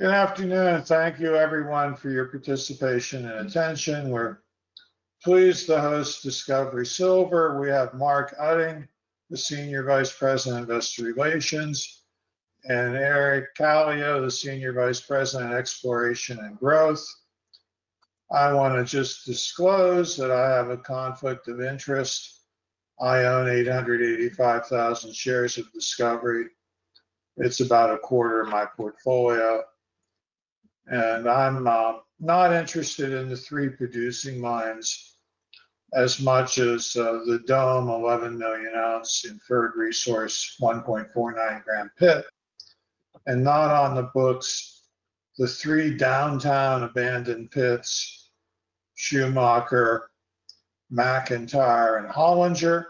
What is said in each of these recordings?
Good afternoon. Thank you, everyone, for your participation and attention. We're pleased to host Discovery Silver. We have Mark Utting, the Senior Vice President of Investor Relations, and Eric Kallio, the Senior Vice President of Exploration and Growth. I want to just disclose that I have a conflict of interest. I own 885,000 shares of Discovery. It's about a quarter of my portfolio. And I'm not interested in the three producing mines as much as the Dome 11 million ounce inferred resource 1.49 g/t pit. And not on the books, the three downtown abandoned pits, Schumacher, McIntyre, and Hollinger,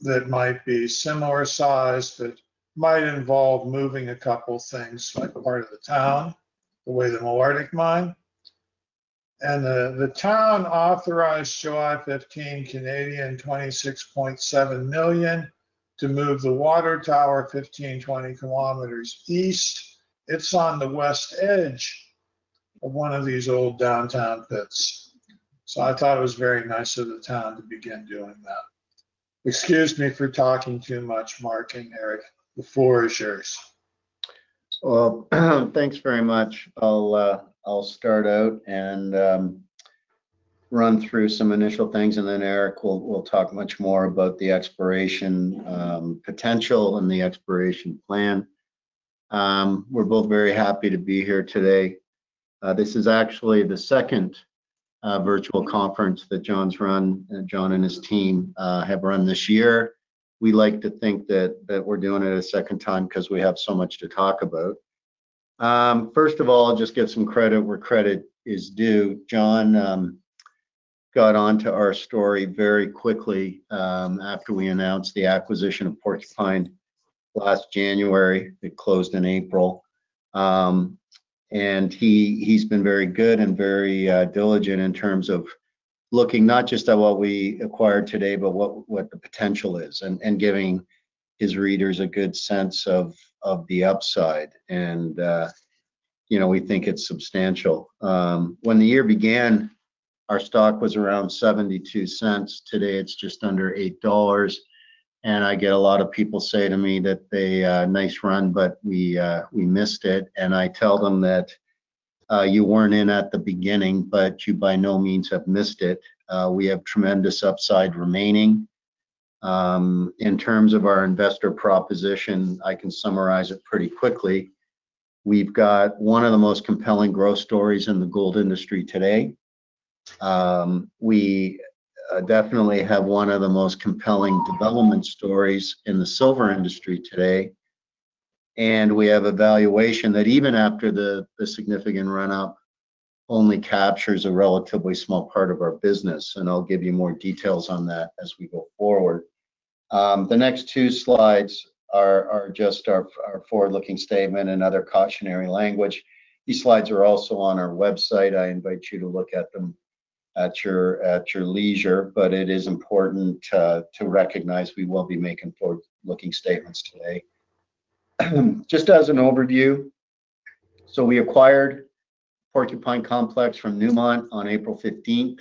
that might be similar size, but might involve moving a couple of things like part of the town, the way the Malartic mine. And the town authorized July 15, 26.7 million to move the water tower 15-20 km east. It's on the west edge of one of these old downtown pits. So I thought it was very nice of the town to begin doing that. Excuse me for talking too much, Mark and Eric. The floor is yours. Thanks very much. I'll start out and run through some initial things, and then Eric will talk much more about the exploration potential and the exploration plan. We're both very happy to be here today. This is actually the second virtual conference that John's run, John and his team have run this year. We like to think that we're doing it a second time because we have so much to talk about. First of all, just give some credit where credit is due. John got onto our story very quickly after we announced the acquisition of Porcupine last January. It closed in April, and he's been very good and very diligent in terms of looking not just at what we acquired today, but what the potential is and giving his readers a good sense of the upside, and we think it's substantial. When the year began, our stock was around $0.72. Today, it's just under $8. And I get a lot of people say to me that they had a nice run, but we missed it. And I tell them that you weren't in at the beginning, but you by no means have missed it. We have tremendous upside remaining. In terms of our investor proposition, I can summarize it pretty quickly. We've got one of the most compelling growth stories in the gold industry today. We definitely have one of the most compelling development stories in the silver industry today. And we have a valuation that even after the significant run-up only captures a relatively small part of our business. And I'll give you more details on that as we go forward. The next two slides are just our forward-looking statement and other cautionary language. These slides are also on our website. I invite you to look at them at your leisure. But it is important to recognize we will be making forward-looking statements today. Just as an overview, so we acquired Porcupine Complex from Newmont on April 15th.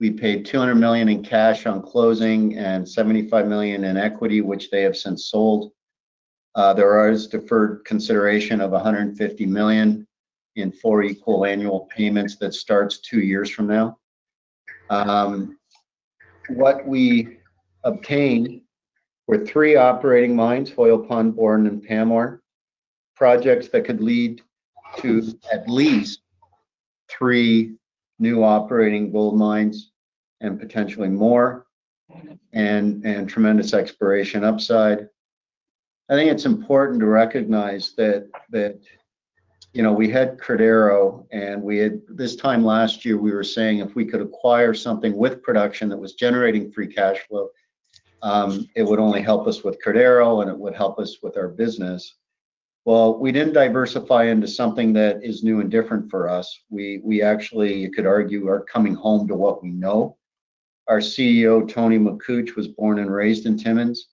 We paid $200 million in cash on closing and $75 million in equity, which they have since sold. There is deferred consideration of $150 million in four equal annual payments that starts two years from now. What we obtained were three operating mines, Hoyle Pond, Borden, and Pamour projects that could lead to at least three new operating gold mines and potentially more and tremendous exploration upside. I think it's important to recognize that we had Cordero, and this time last year, we were saying if we could acquire something with production that was generating free cash flow, it would only help us with Cordero, and it would help us with our business. Well, we didn't diversify into something that is new and different for us. We actually, you could argue, are coming home to what we know. Our CEO, Tony Makuch, was born and raised in Timmins.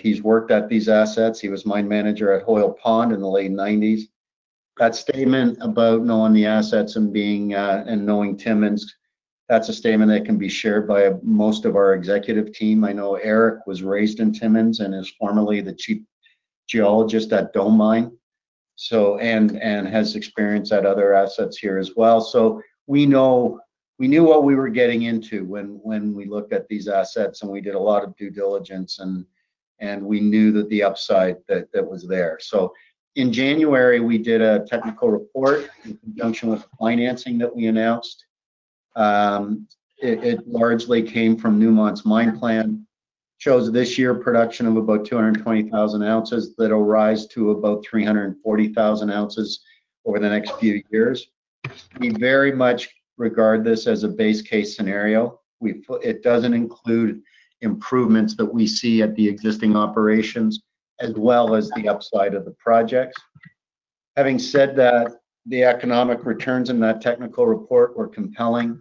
He's worked at these assets. He was mine manager at Hoyle Pond in the late 1990s. That statement about knowing the assets and knowing Timmins, that's a statement that can be shared by most of our executive team. I know Eric was raised in Timmins and is formerly the chief geologist at Dome Mine, and has experience at other assets here as well. So we knew what we were getting into when we looked at these assets, and we did a lot of due diligence, and we knew the upside that was there. So in January, we did a technical report in conjunction with financing that we announced. It largely came from Newmont's mine plan, shows this year production of about 220,000 ounces that will rise to about 340,000 ounces over the next few years. We very much regard this as a base case scenario. It doesn't include improvements that we see at the existing operations as well as the upside of the projects. Having said that, the economic returns in that technical report were compelling.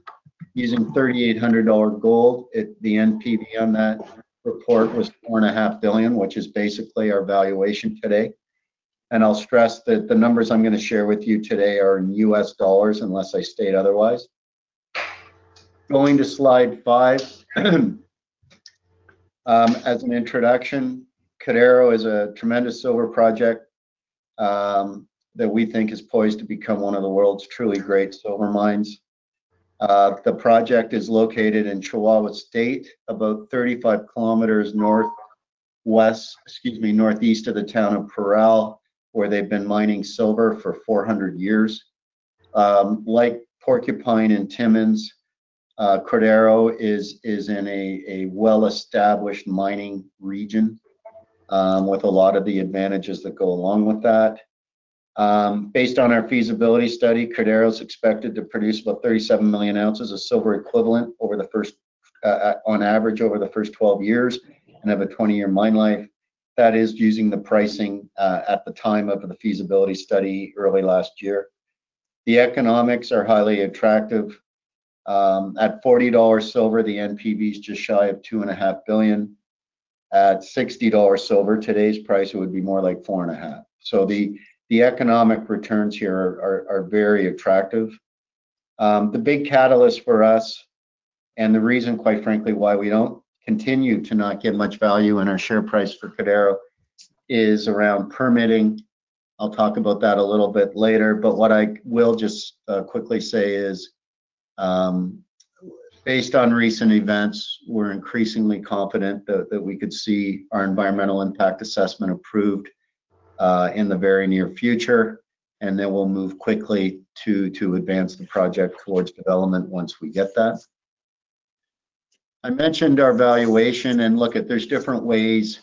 Using $3,800 gold, the NPV on that report was 4.5 billion, which is basically our valuation today. And I'll stress that the numbers I'm going to share with you today are in US dollars unless I state otherwise. Going to slide five. As an introduction, Cordero is a tremendous silver project that we think is poised to become one of the world's truly great silver mines. The project is located in Chihuahua State, about 35 km northwest, excuse me, northeast of the town of Parral, where they've been mining silver for 400 years. Like Porcupine and Timmins, Cordero is in a well-established mining region with a lot of the advantages that go along with that. Based on our feasibility study, Cordero is expected to produce about 37 million ounces of silver equivalent on average over the first 12 years and have a 20-year mine life. That is using the pricing at the time of the feasibility study early last year. The economics are highly attractive. At $40 silver, the NPV is just shy of 2.5 billion. At $60 silver, today's price would be more like 4.5, so the economic returns here are very attractive. The big catalyst for us, and the reason, quite frankly, why we don't continue to not get much value in our share price for Cordero, is around permitting. I'll talk about that a little bit later, but what I will just quickly say is, based on recent events, we're increasingly confident that we could see our environmental impact assessment approved in the very near future, and then we'll move quickly to advance the project towards development once we get that. I mentioned our valuation and look at, there's different ways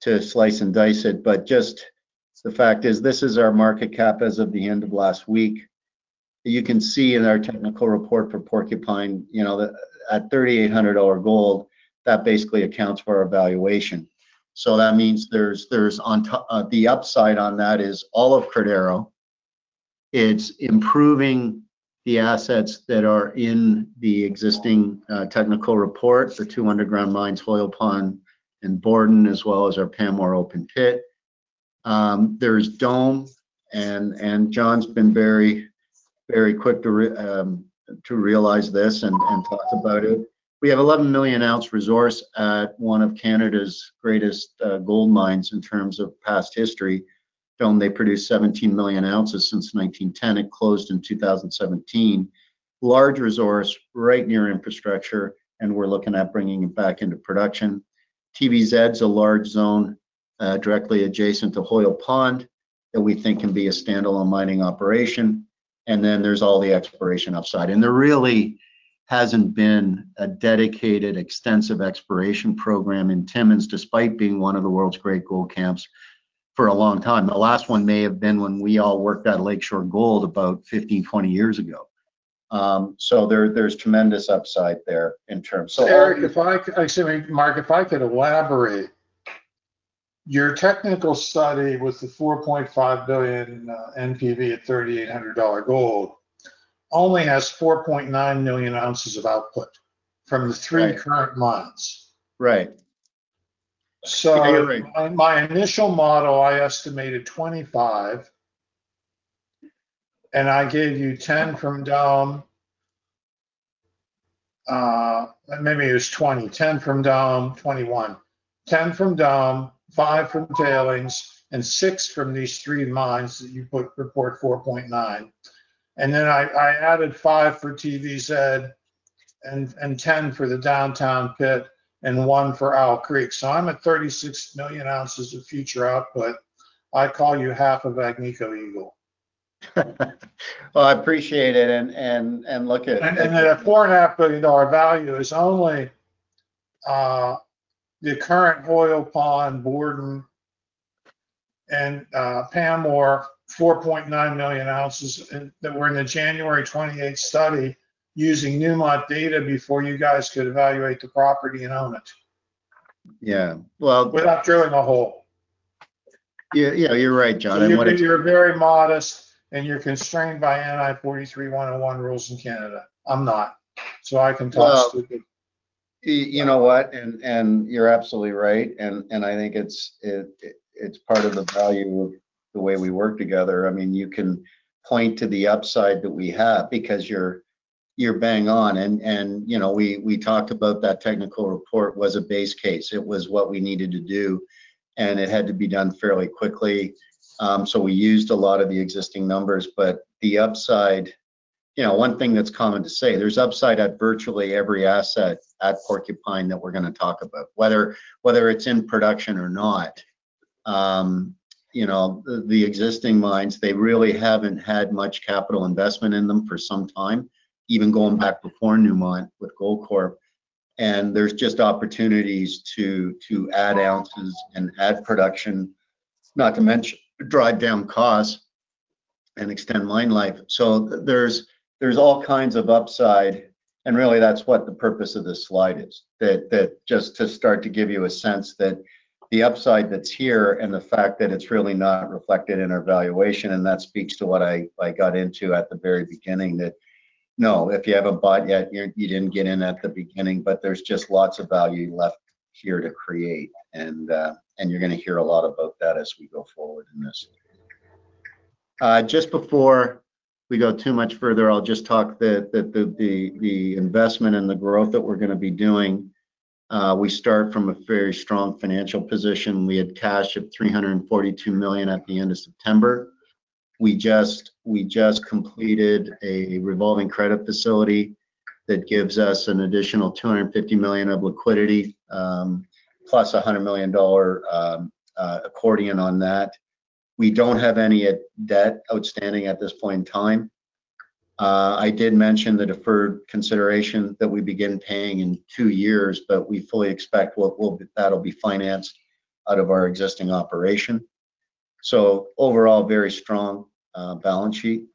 to slice and dice it, but just the fact is this is our market cap as of the end of last week. You can see in our technical report for Porcupine, at $3,800 gold, that basically accounts for our valuation. So that means there's the upside on that is all of Cordero. It's improving the assets that are in the existing technical report, the two underground mines, Hoyle Pond and Borden, as well as our Pamour open pit. There's Dome, and John's been very, very quick to realize this and talk about it. We have 11 million ounce resource at one of Canada's greatest gold mines in terms of past history. Dome, they produced 17 million ounces since 1910. It closed in 2017. Large resource, right near infrastructure, and we're looking at bringing it back into production. TVZ's a large zone directly adjacent to Hoyle Pond that we think can be a standalone mining operation. And then there's all the exploration upside. And there really hasn't been a dedicated extensive exploration program in Timmins, despite being one of the world's great gold camps for a long time. The last one may have been when we all worked at Lakeshore Gold about 15, 20 years ago. So there's tremendous upside there in terms of. Eric, if I can, excuse me, Mark, if I could elaborate. Your technical study with the 4.5 billion NPV at $3,800 gold only has 4.9 million ounces of output from the three current mines. Right. So, my initial model, I estimated 25, and I gave you 10 from Dome, maybe it was 20, 10 from Dome, 21, 10 from Dome, five from tailings, and six from these three mines that you put report 4.9. And then I added five for TVZ and 10 for the downtown pit and one for Owl Creek. So I'm at 36 million ounces of future output. I call you half of Agnico Eagle. I appreciate it. Look at. And then a $4.5 billion value is only the current Hoyle Pond, Borden, and Pamour, 4.9 million ounces that were in the January 28th study using Newmont data before you guys could evaluate the property and own it. Yeah. Well. Without drilling a hole. Yeah, you're right, John. You're very modest, and you're constrained by NI 43-101 rules in Canada. I'm not. So I can talk stupid. You know what? And you're absolutely right. And I think it's part of the value of the way we work together. I mean, you can point to the upside that we have because you're bang on. And we talked about that technical report was a base case. It was what we needed to do, and it had to be done fairly quickly. So we used a lot of the existing numbers. But the upside, one thing that's common to say, there's upside at virtually every asset at Porcupine that we're going to talk about, whether it's in production or not. The existing mines, they really haven't had much capital investment in them for some time, even going back before Newmont with Goldcorp. And there's just opportunities to add ounces and add production, not to mention drive down costs and extend mine life. So there's all kinds of upside. And really, that's what the purpose of this slide is, just to start to give you a sense that the upside that's here and the fact that it's really not reflected in our valuation. And that speaks to what I got into at the very beginning, that no, if you haven't bought yet, you didn't get in at the beginning, but there's just lots of value left here to create. And you're going to hear a lot about that as we go forward in this. Just before we go too much further, I'll just talk that the investment and the growth that we're going to be doing, we start from a very strong financial position. We had cash of $342 million at the end of September. We just completed a revolving credit facility that gives us an additional $250 million of liquidity, plus a $100 million accordion on that. We don't have any debt outstanding at this point in time. I did mention the deferred consideration that we begin paying in two years, but we fully expect that'll be financed out of our existing operation, so overall, very strong balance sheet.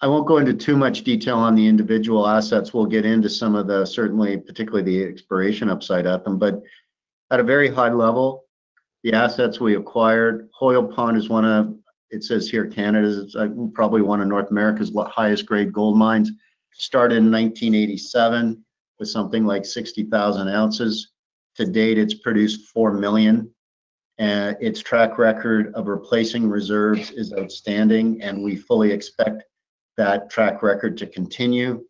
I won't go into too much detail on the individual assets. We'll get into some of the, certainly, particularly the exploration upside at them, but at a very high level, the assets we acquired, Hoyle Pond is one of, it says here, Canada's probably one of North America's highest-grade gold mines. Started in 1987 with something like 60,000 ounces. To date, it's produced 4 million. Its track record of replacing reserves is outstanding, and we fully expect that track record to continue.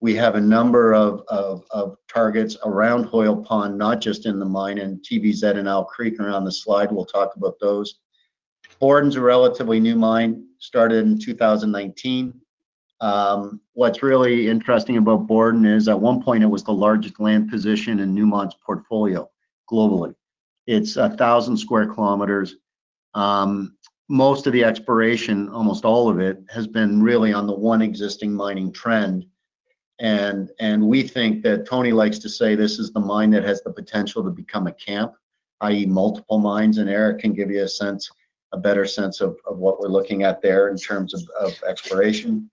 We have a number of targets around Hoyle Pond, not just in the mine and TVZ and Owl Creek around the slide. We'll talk about those. Borden's a relatively new mine, started in 2019. What's really interesting about Borden is at one point it was the largest land position in Newmont's portfolio globally. It's 1,000 sq km. Most of the exploration, almost all of it, has been really on the one existing mining trend, and we think that Tony likes to say this is the mine that has the potential to become a camp, i.e., multiple mines, and Eric can give you a better sense of what we're looking at there in terms of exploration.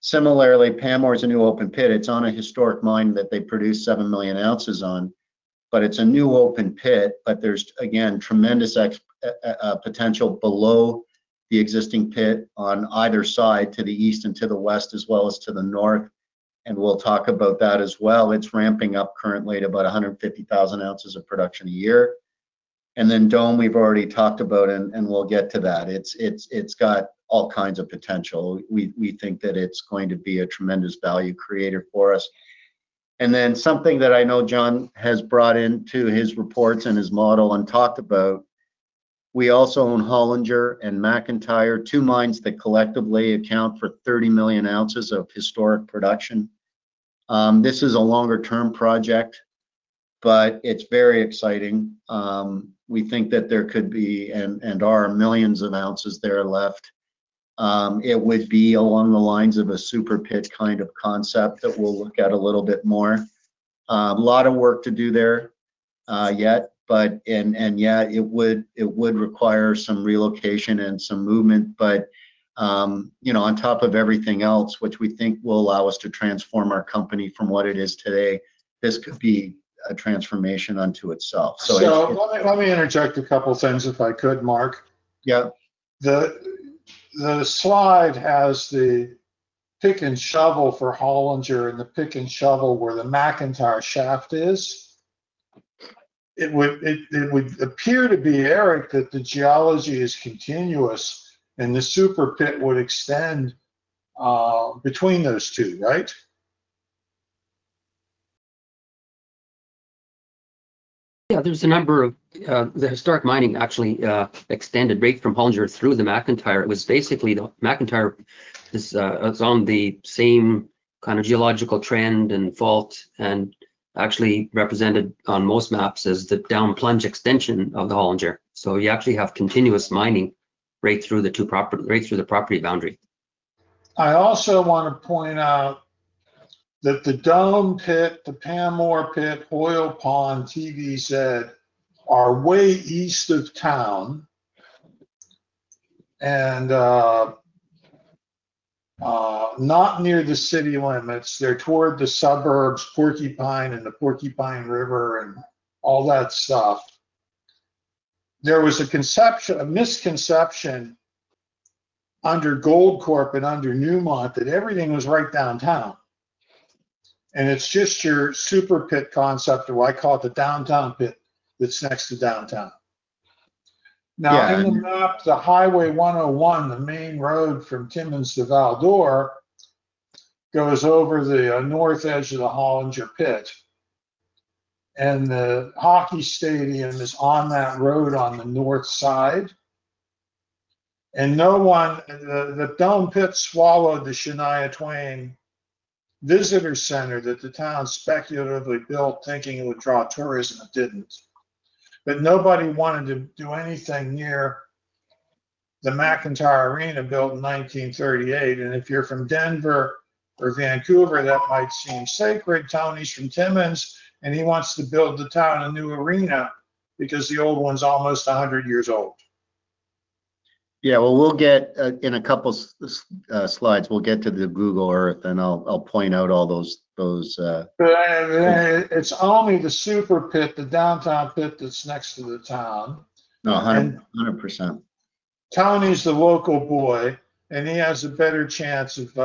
Similarly, Pamour is a new open pit. It's on a historic mine that they produced seven million ounces on, but it's a new open pit, but there's, again, tremendous potential below the existing pit on either side to the east and to the west, as well as to the north, and we'll talk about that as well. It's ramping up currently to about 150,000 ounces of production a year. And then Dome, we've already talked about, and we'll get to that. It's got all kinds of potential. We think that it's going to be a tremendous value creator for us. And then something that I know John has brought into his reports and his model and talked about, we also own Hollinger and McIntyre, two mines that collectively account for 30 million ounces of historic production. This is a longer-term project, but it's very exciting. We think that there could be and are millions of ounces there left. It would be along the lines of a super pit kind of concept that we'll look at a little bit more. A lot of work to do there yet. And yeah, it would require some relocation and some movement. but on top of everything else, which we think will allow us to transform our company from what it is today, this could be a transformation unto itself. So let me interject a couple of things if I could, Mark. Yeah. The slide has the pick and shovel for Hollinger and the pick and shovel where the McIntyre shaft is. It would appear to be, Eric, that the geology is continuous and the super pit would extend between those two, right? Yeah, there's a number of the historic mining actually extended right from Hollinger through the McIntyre. It was basically the McIntyre is on the same kind of geological trend and fault and actually represented on most maps as the downplunge extension of the Hollinger. So you actually have continuous mining right through the property boundary. I also want to point out that the Dome pit, the Pamour pit, Hoyle Pond, TVZ are way east of town and not near the city limits. They're toward the suburbs, Porcupine and the Porcupine River and all that stuff. There was a misconception under Goldcorp and under Newmont that everything was right downtown, and it's just your super pit concept or I call it the downtown pit that's next to downtown. Now, in the map, the Highway 101, the main road from Timmins to Val-d'Or, goes over the north edge of the Hollinger pit, and the hockey stadium is on that road on the north side, and the Dome pit swallowed the Shania Twain Centre that the town speculatively built thinking it would draw tourism. It didn't, but nobody wanted to do anything near the McIntyre Arena built in 1938. And if you're from Denver or Vancouver, that might seem sacred. Tony's from Timmins, and he wants to build the town a new arena because the old one's almost 100 years old. Yeah, well, in a couple of slides, we'll get to the Google Earth, and I'll point out all those. It's only the super pit, the downtown pit that's next to the town. No, 100%. Tony's the local boy, and he has a better chance of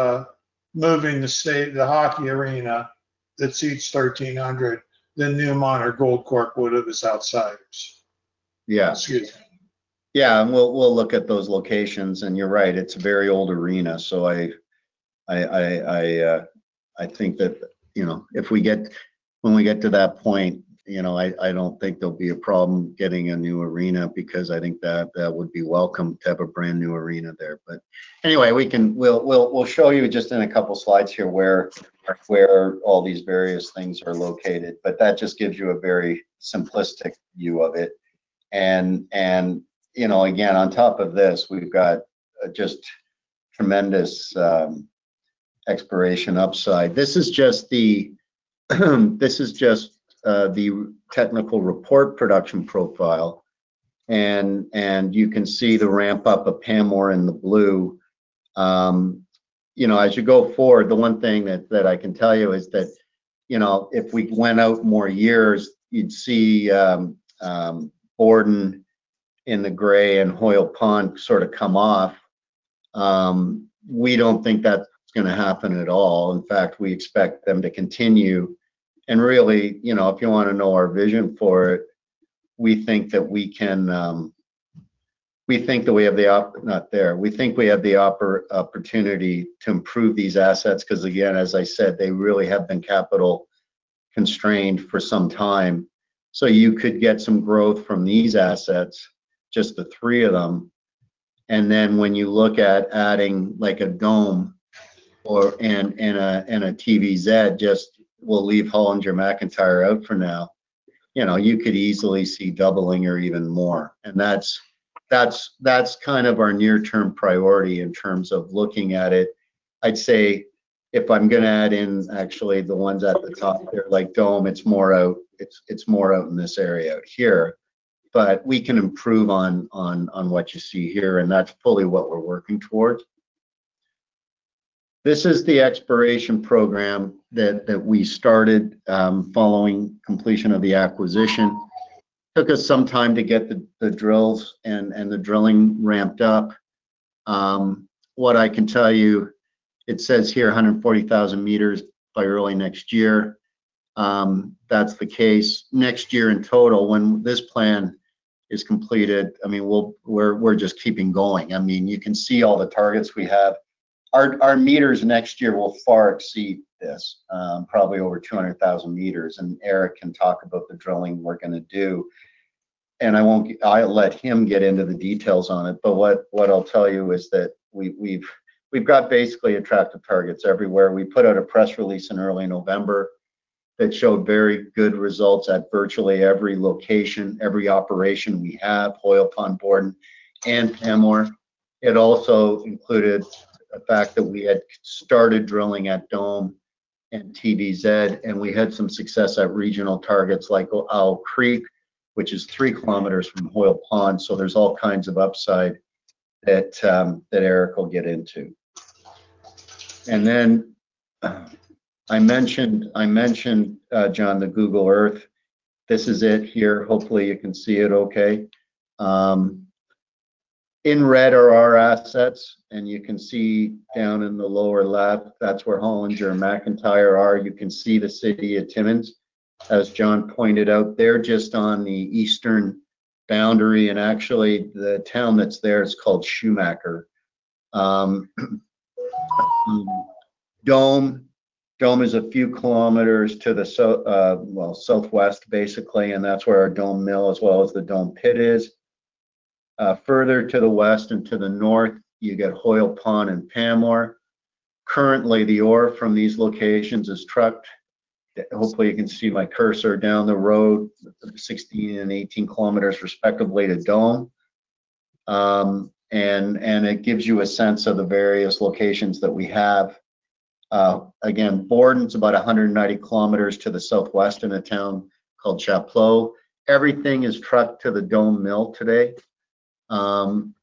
moving the hockey arena that seats 1,300 than Newmont or Goldcorp would have as outsiders. Yeah. Excuse me. Yeah, and we'll look at those locations, and you're right. It's a very old arena. So I think that, when we get to that point, I don't think there'll be a problem getting a new arena because I think that would be welcome to have a brand new arena there, but anyway, we'll show you just in a couple of slides here where all these various things are located, but that just gives you a very simplistic view of it, and again, on top of this, we've got just tremendous exploration upside. This is just the technical report production profile, and you can see the ramp up of Pamour in the blue. As you go forward, the one thing that I can tell you is that if we went out more years, you'd see Borden in the gray and Hoyle Pond sort of come off. We don't think that's going to happen at all. In fact, we expect them to continue and really, if you want to know our vision for it, we think we have the opportunity to improve these assets because, again, as I said, they really have been capital constrained for some time, so you could get some growth from these assets, just the three of them. And then when you look at adding a Dome and a TVZ, just we'll leave Hollinger, McIntyre out for now, you could easily see doubling or even more. And that's kind of our near-term priority in terms of looking at it. I'd say if I'm going to add in actually the ones at the top there, like Dome, it's more out in this area here. But we can improve on what you see here, and that's fully what we're working toward. This is the exploration program that we started following completion of the acquisition. Took us some time to get the drills and the drilling ramped up. What I can tell you, it says here 140,000 meters by early next year. That's the case. Next year in total, when this plan is completed, I mean, we're just keeping going. I mean, you can see all the targets we have. Our meters next year will far exceed this, probably over 200,000 meters. And Eric can talk about the drilling we're going to do. And I'll let him get into the details on it. But what I'll tell you is that we've got basically attractive targets everywhere. We put out a press release in early November that showed very good results at virtually every location, every operation we have, Hoyle Pond, Borden, and Pamour. It also included the fact that we had started drilling at Dome and TVZ, and we had some success at regional targets like Owl Creek, which is 3 km from Hoyle Pond, so there's all kinds of upside that Eric will get into, and then I mentioned, John, the Google Earth. This is it here. Hopefully, you can see it okay. In red are our assets, and you can see down in the lower left, that's where Hollinger and McIntyre are. You can see the city of Timmins, as John pointed out. They're just on the eastern boundary, and actually, the town that's there is called Schumacher. Dome is a few km to the southwest, basically. And that's where our Dome Mill as well as the Dome pit is. Further to the west and to the north, you get Hoyle Pond and Pamour. Currently, the ore from these locations is trucked. Hopefully, you can see my cursor down the road, 16 km and 18 km respectively to Dome. And it gives you a sense of the various locations that we have. Again, Borden's about 190 km to the southwest in a town called Chapleau. Everything is trucked to the Dome Mill today. And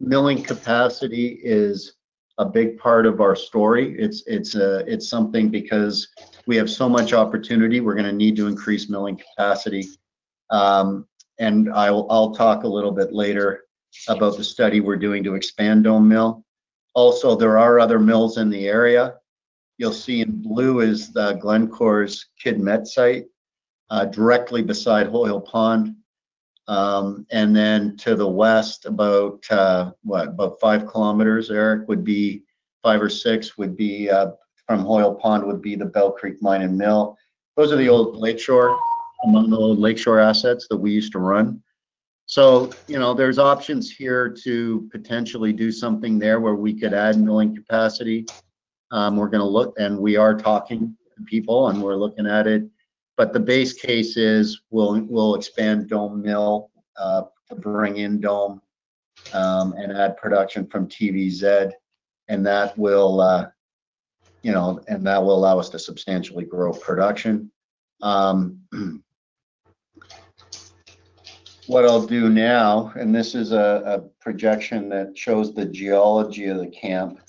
milling capacity is a big part of our story. It's something because we have so much opportunity. We're going to need to increase milling capacity. And I'll talk a little bit later about the study we're doing to expand Dome Mill. Also, there are other mills in the area. You'll see in blue is Glencore's Kidd Met site directly beside Hoyle Pond. And then to the west, about what? About five kilometers, Eric, would be five or six from Hoyle Pond, the Bell Creek mine and mill. Those are the old Lakeshore assets that we used to run. So there's options here to potentially do something there where we could add milling capacity. We're going to look, and we are talking to people, and we're looking at it. But the base case is we'll expand Dome mill, bring in Dome, and add production from TVZ. And that will allow us to substantially grow production. What I'll do now, and this is a projection that shows the geology of the camp.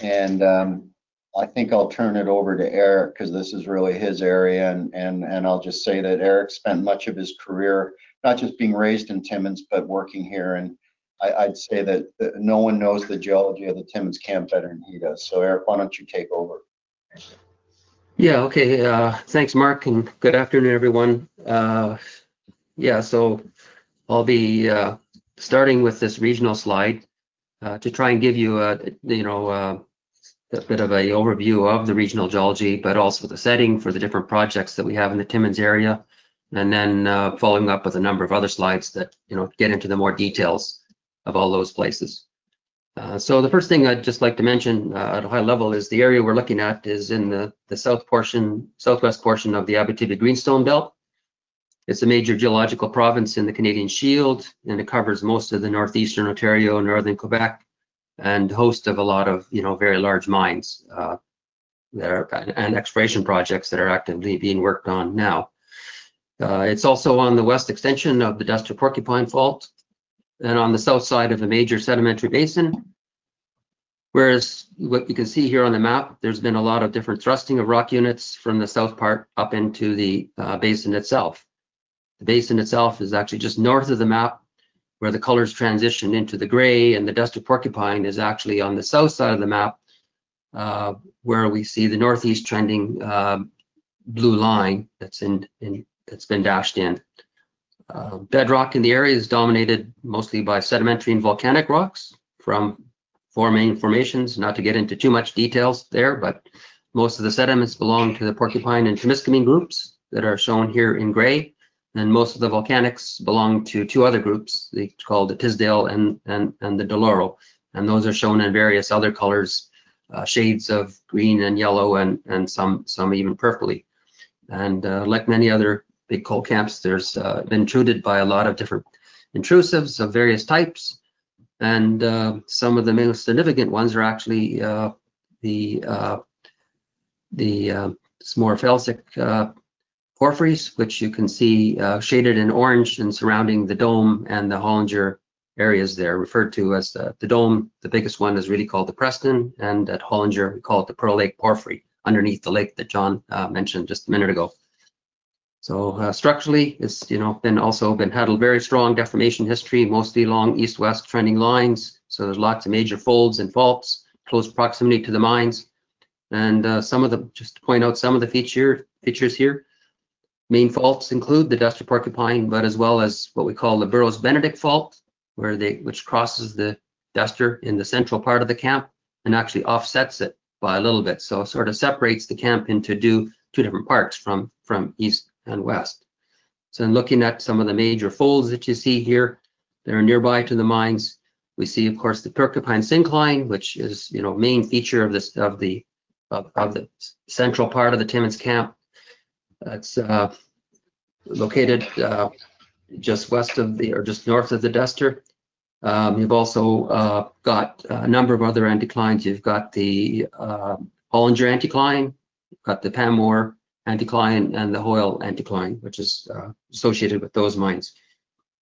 And I think I'll turn it over to Eric because this is really his area. And I'll just say that Eric spent much of his career not just being raised in Timmins, but working here. I'd say that no one knows the geology of the Timmins camp better than he does. Eric, why don't you take over? Yeah. Okay. Thanks, Mark, and good afternoon, everyone. Yeah, so I'll be starting with this regional slide to try and give you a bit of an overview of the regional geology, but also the setting for the different projects that we have in the Timmins area, and then following up with a number of other slides that get into the more details of all those places, so the first thing I'd just like to mention at a high level is the area we're looking at is in the southwest portion of the Abitibi Greenstone Belt. It's a major geological province in the Canadian Shield, and it covers most of the northeastern Ontario, northern Quebec, and host of a lot of very large mines and exploration projects that are actively being worked on now. It's also on the west extension of the Destor-Porcupine Fault and on the south side of a major sedimentary basin. Whereas what you can see here on the map, there's been a lot of different thrusting of rock units from the south part up into the basin itself. The basin itself is actually just north of the map where the colors transition into the gray, and the Destor-Porcupine is actually on the south side of the map where we see the northeast trending blue line that's been dashed in. Bedrock in the area is dominated mostly by sedimentary and volcanic rocks from four main formations. Not to get into too much details there, but most of the sediments belong to the Porcupine and Timiskaming groups that are shown here in gray, and most of the volcanics belong to two other groups. They're called the Tisdale and the Deloro. And those are shown in various other colors, shades of green and yellow and some even purple. And like many other big gold camps, there's been intruded by a lot of different intrusives of various types. And some of the most significant ones are actually the more felsic porphyries, which you can see shaded in orange and surrounding the Dome and the Hollinger areas there, referred to as the Dome. The biggest one is really called the Preston. And at Hollinger, we call it the Pearl Lake Porphyry underneath the lake that John mentioned just a minute ago. Structurally, it's also had a very strong deformation history, mostly along east-west trending lines. So there's lots of major folds and faults in close proximity to the mines. And just to point out some of the features here, main faults include the Destor-Porcupine, but as well as what we call the Burrows-Benedict Fault, which crosses the Destor in the central part of the camp and actually offsets it by a little bit. So it sort of separates the camp into two different parts from east and west. So in looking at some of the major folds that you see here, they're nearby to the mines. We see, of course, the Porcupine Syncline, which is a main feature of the central part of the Timmins camp. It's located just west of, or just north of the Destor. You've also got a number of other anticlines. You've got the Hollinger Anticline, got the Pamour Anticline, and the Hoyle Anticline, which is associated with those mines.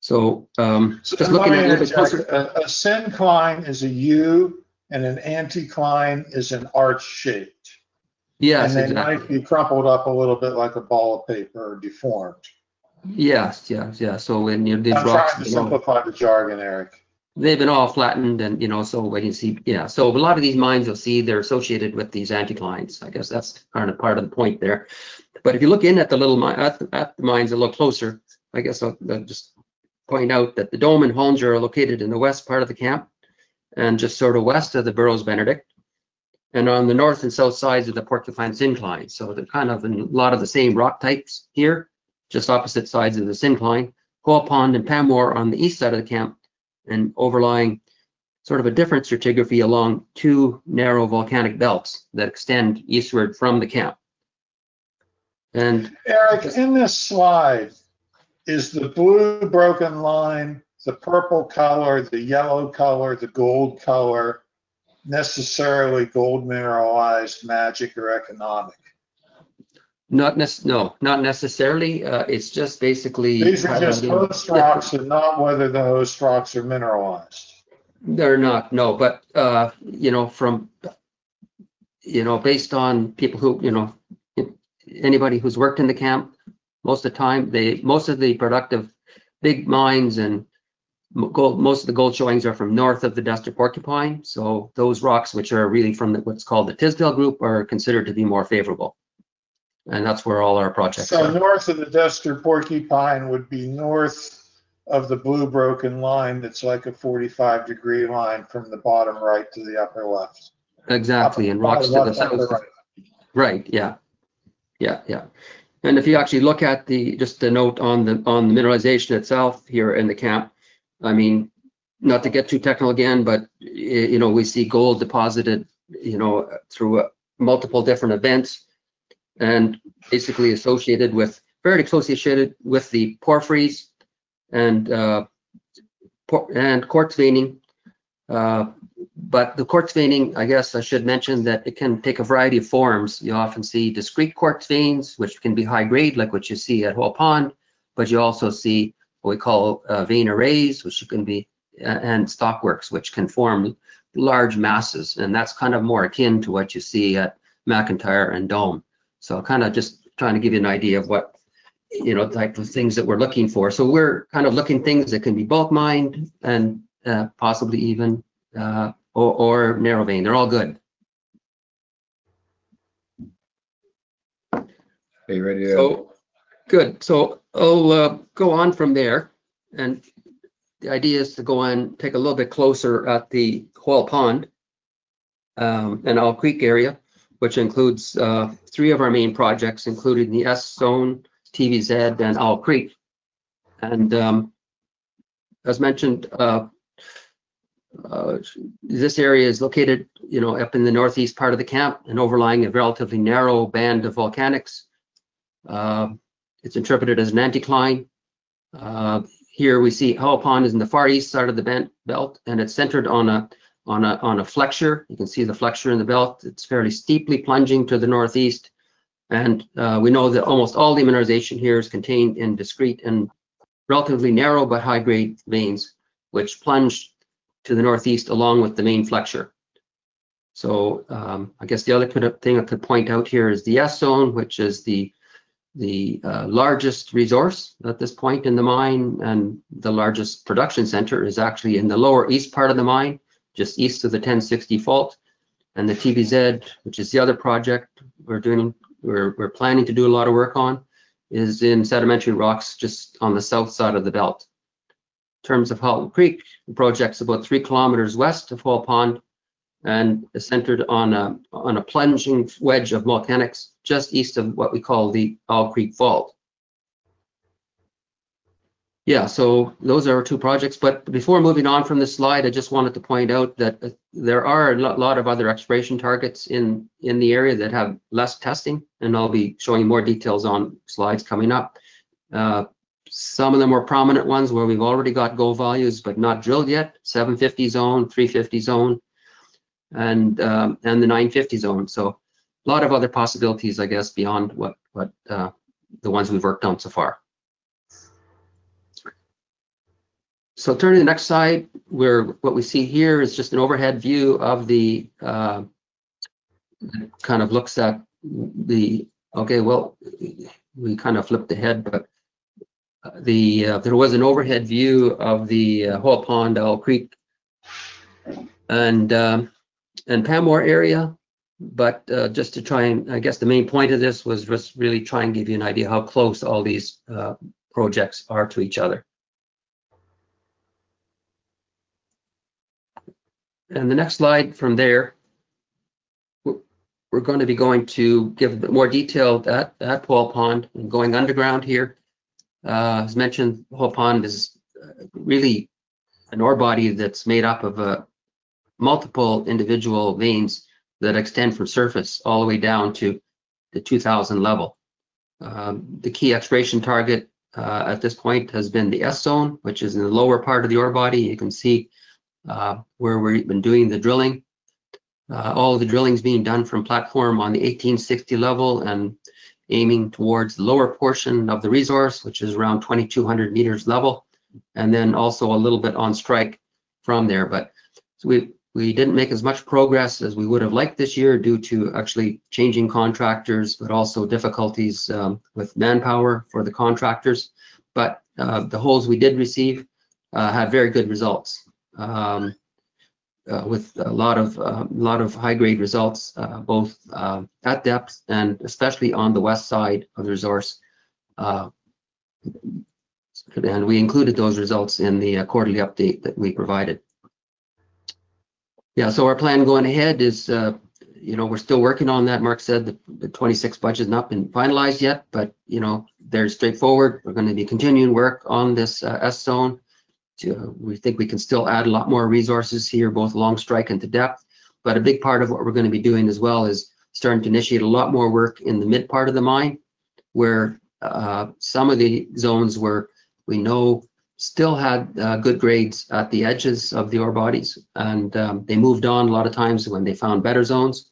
So just looking at it. A syncline is a U, and an anticline is arch-shaped. Yes. They might be crumpled up a little bit like a ball of paper or deformed. Yes. Yes. Yeah. So when you're doing rock. I'll try to simplify the jargon, Eric. They've been all flattened, and so when you see, yeah, so a lot of these mines you'll see, they're associated with these anticlines. I guess that's kind of part of the point there, but if you look in at the mines a little closer, I guess I'll just point out that the Dome and Hollinger are located in the west part of the camp and just sort of west of the Burrows-Benedict, and on the north and south sides of the Porcupine syncline. So they're kind of a lot of the same rock types here, just opposite sides of the syncline. Hoyle Pond and Pamour on the east side of the camp and overlying sort of a different stratigraphy along two narrow volcanic belts that extend eastward from the camp. And. Eric, in this slide, is the blue broken line, the purple color, the yellow color, the gold color necessarily gold mineralized, magic, or economic? No. Not necessarily. It's just basically. These are just host rocks, and not whether the host rocks are mineralized. They're not. No. But based on people who anybody who's worked in the camp, most of the time, most of the productive big mines and most of the gold showings are from north of the Destor-Porcupine. So those rocks, which are really from what's called the Tisdale Group, are considered to be more favorable. And that's where all our projects are. North of the Destor-Porcupine would be north of the blue broken line that's like a 45-degree line from the bottom right to the upper left. Exactly. And rocks to the south. Right. Yeah. Yeah. Yeah. And if you actually look at just the note on the mineralization itself here in the camp, I mean, not to get too technical again, but we see gold deposited through multiple different events and basically associated with the porphyries and quartz veining. But the quartz veining, I guess I should mention that it can take a variety of forms. You often see discrete quartz veins, which can be high-grade, like what you see at Hoyle Pond. But you also see what we call vein arrays, which can be, and stockworks, which can form large masses. And that's kind of more akin to what you see at McIntyre and Dome. So kind of just trying to give you an idea of what type of things that we're looking for. So we're kind of looking at things that can be bulk mined and possibly even or narrow vein. They're all good. Are you ready to? So good. So I'll go on from there. And the idea is to go and take a little bit closer at the Hoyle Pond and Owl Creek area, which includes three of our main projects, including the S Zone, TVZ, and Owl Creek. And as mentioned, this area is located up in the northeast part of the camp and overlying a relatively narrow band of volcanics. It's interpreted as an anticline. Here we see Hoyle Pond is in the far east side of the bend, and it's centered on a flexure. You can see the flexure in the belt. It's fairly steeply plunging to the northeast. And we know that almost all the mineralization here is contained in discrete and relatively narrow but high-grade veins, which plunge to the northeast along with the main flexure. So I guess the other thing I could point out here is the S Zone, which is the largest resource at this point in the mine. And the largest production center is actually in the lower east part of the mine, just east of the 1060 Fault. And the TVZ, which is the other project we're planning to do a lot of work on, is in sedimentary rocks just on the south side of the belt. In terms of Owl Creek, the project's about three kilometers west of Hoyle Pond and is centered on a plunging wedge of volcanics just east of what we call the Owl Creek Fault. Yeah. So those are our two projects. But before moving on from this slide, I just wanted to point out that there are a lot of other exploration targets in the area that have less testing. I'll be showing more details on slides coming up. Some of the more prominent ones where we've already got gold values but not drilled yet, 750 Zone, 350 Zone, and the 950 Zone. A lot of other possibilities, I guess, beyond the ones we've worked on so far. Turning to the next slide, what we see here is just an overhead view. Okay, well, we kind of flipped ahead, but there was an overhead view of the Hoyle Pond, Owl Creek, and Pamour area. Just to try and I guess the main point of this was just really try and give you an idea how close all these projects are to each other. The next slide from there, we're going to give more detail at Hoyle Pond and going underground here. As mentioned, Hoyle Pond is really an ore body that's made up of multiple individual veins that extend from surface all the way down to the 2,000 level. The key exploration target at this point has been the S Zone, which is in the lower part of the ore body. You can see where we've been doing the drilling, all of the drillings being done from platform on the 1,860 level and aiming towards the lower portion of the resource, which is around 2,200 meters level, and then also a little bit on strike from there. But we didn't make as much progress as we would have liked this year due to actually changing contractors, but also difficulties with manpower for the contractors. But the holes we did receive had very good results with a lot of high-grade results, both at depth and especially on the west side of the resource. And we included those results in the quarterly update that we provided. Yeah. So our plan going ahead is we're still working on that. Mark said the 2026 budget has not been finalized yet, but it's straightforward. We're going to be continuing work on this S Zone. We think we can still add a lot more resources here, both along strike and to depth. But a big part of what we're going to be doing as well is starting to initiate a lot more work in the mid part of the mine where some of the zones where we know still had good grades at the edges of the ore bodies. And they moved on a lot of times when they found better zones,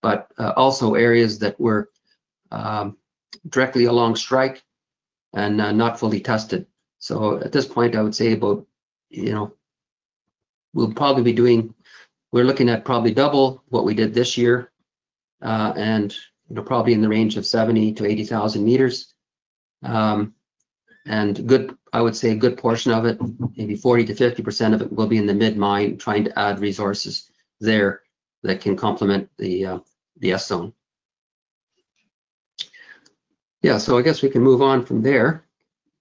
but also areas that were directly along strike and not fully tested. So at this point, I would say we'll probably be doing. We're looking at probably double what we did this year and probably in the range of 70,000-80,000 meters. And I would say a good portion of it, maybe 40%-50% of it, will be in the mid mine trying to add resources there that can complement the S Zone. Yeah. So I guess we can move on from there.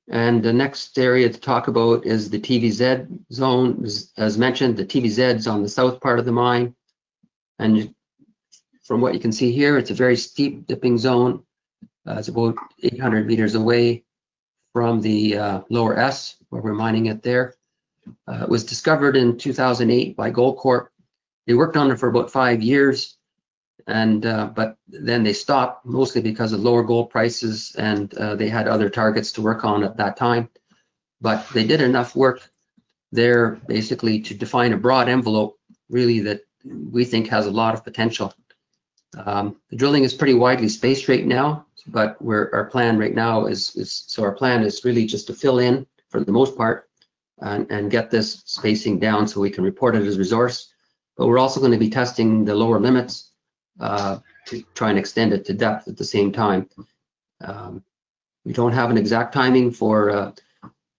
And the next area to talk about is the TVZ zone. As mentioned, the TVZ is on the south part of the mine. And from what you can see here, it's a very steep-dipping zone about 800 meters away from the lower S where we're mining at there. It was discovered in 2008 by Goldcorp. They worked on it for about five years, but then they stopped mostly because of lower gold prices, and they had other targets to work on at that time. But they did enough work there basically to define a broad envelope really that we think has a lot of potential. The drilling is pretty widely spaced right now, but our plan right now is really just to fill in for the most part and get this spacing down so we can report it as resource. But we're also going to be testing the lower limits to try and extend it to depth at the same time. We don't have an exact timing for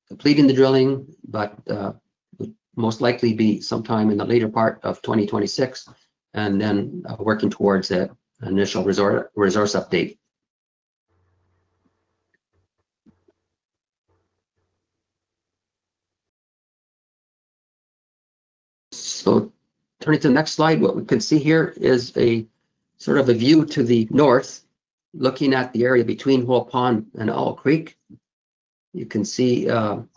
completing the drilling, but it would most likely be sometime in the later part of 2026 and then working towards that initial resource update. So turning to the next slide, what we can see here is sort of a view to the north looking at the area between Hoyle Pond and Owl Creek. You can see Owl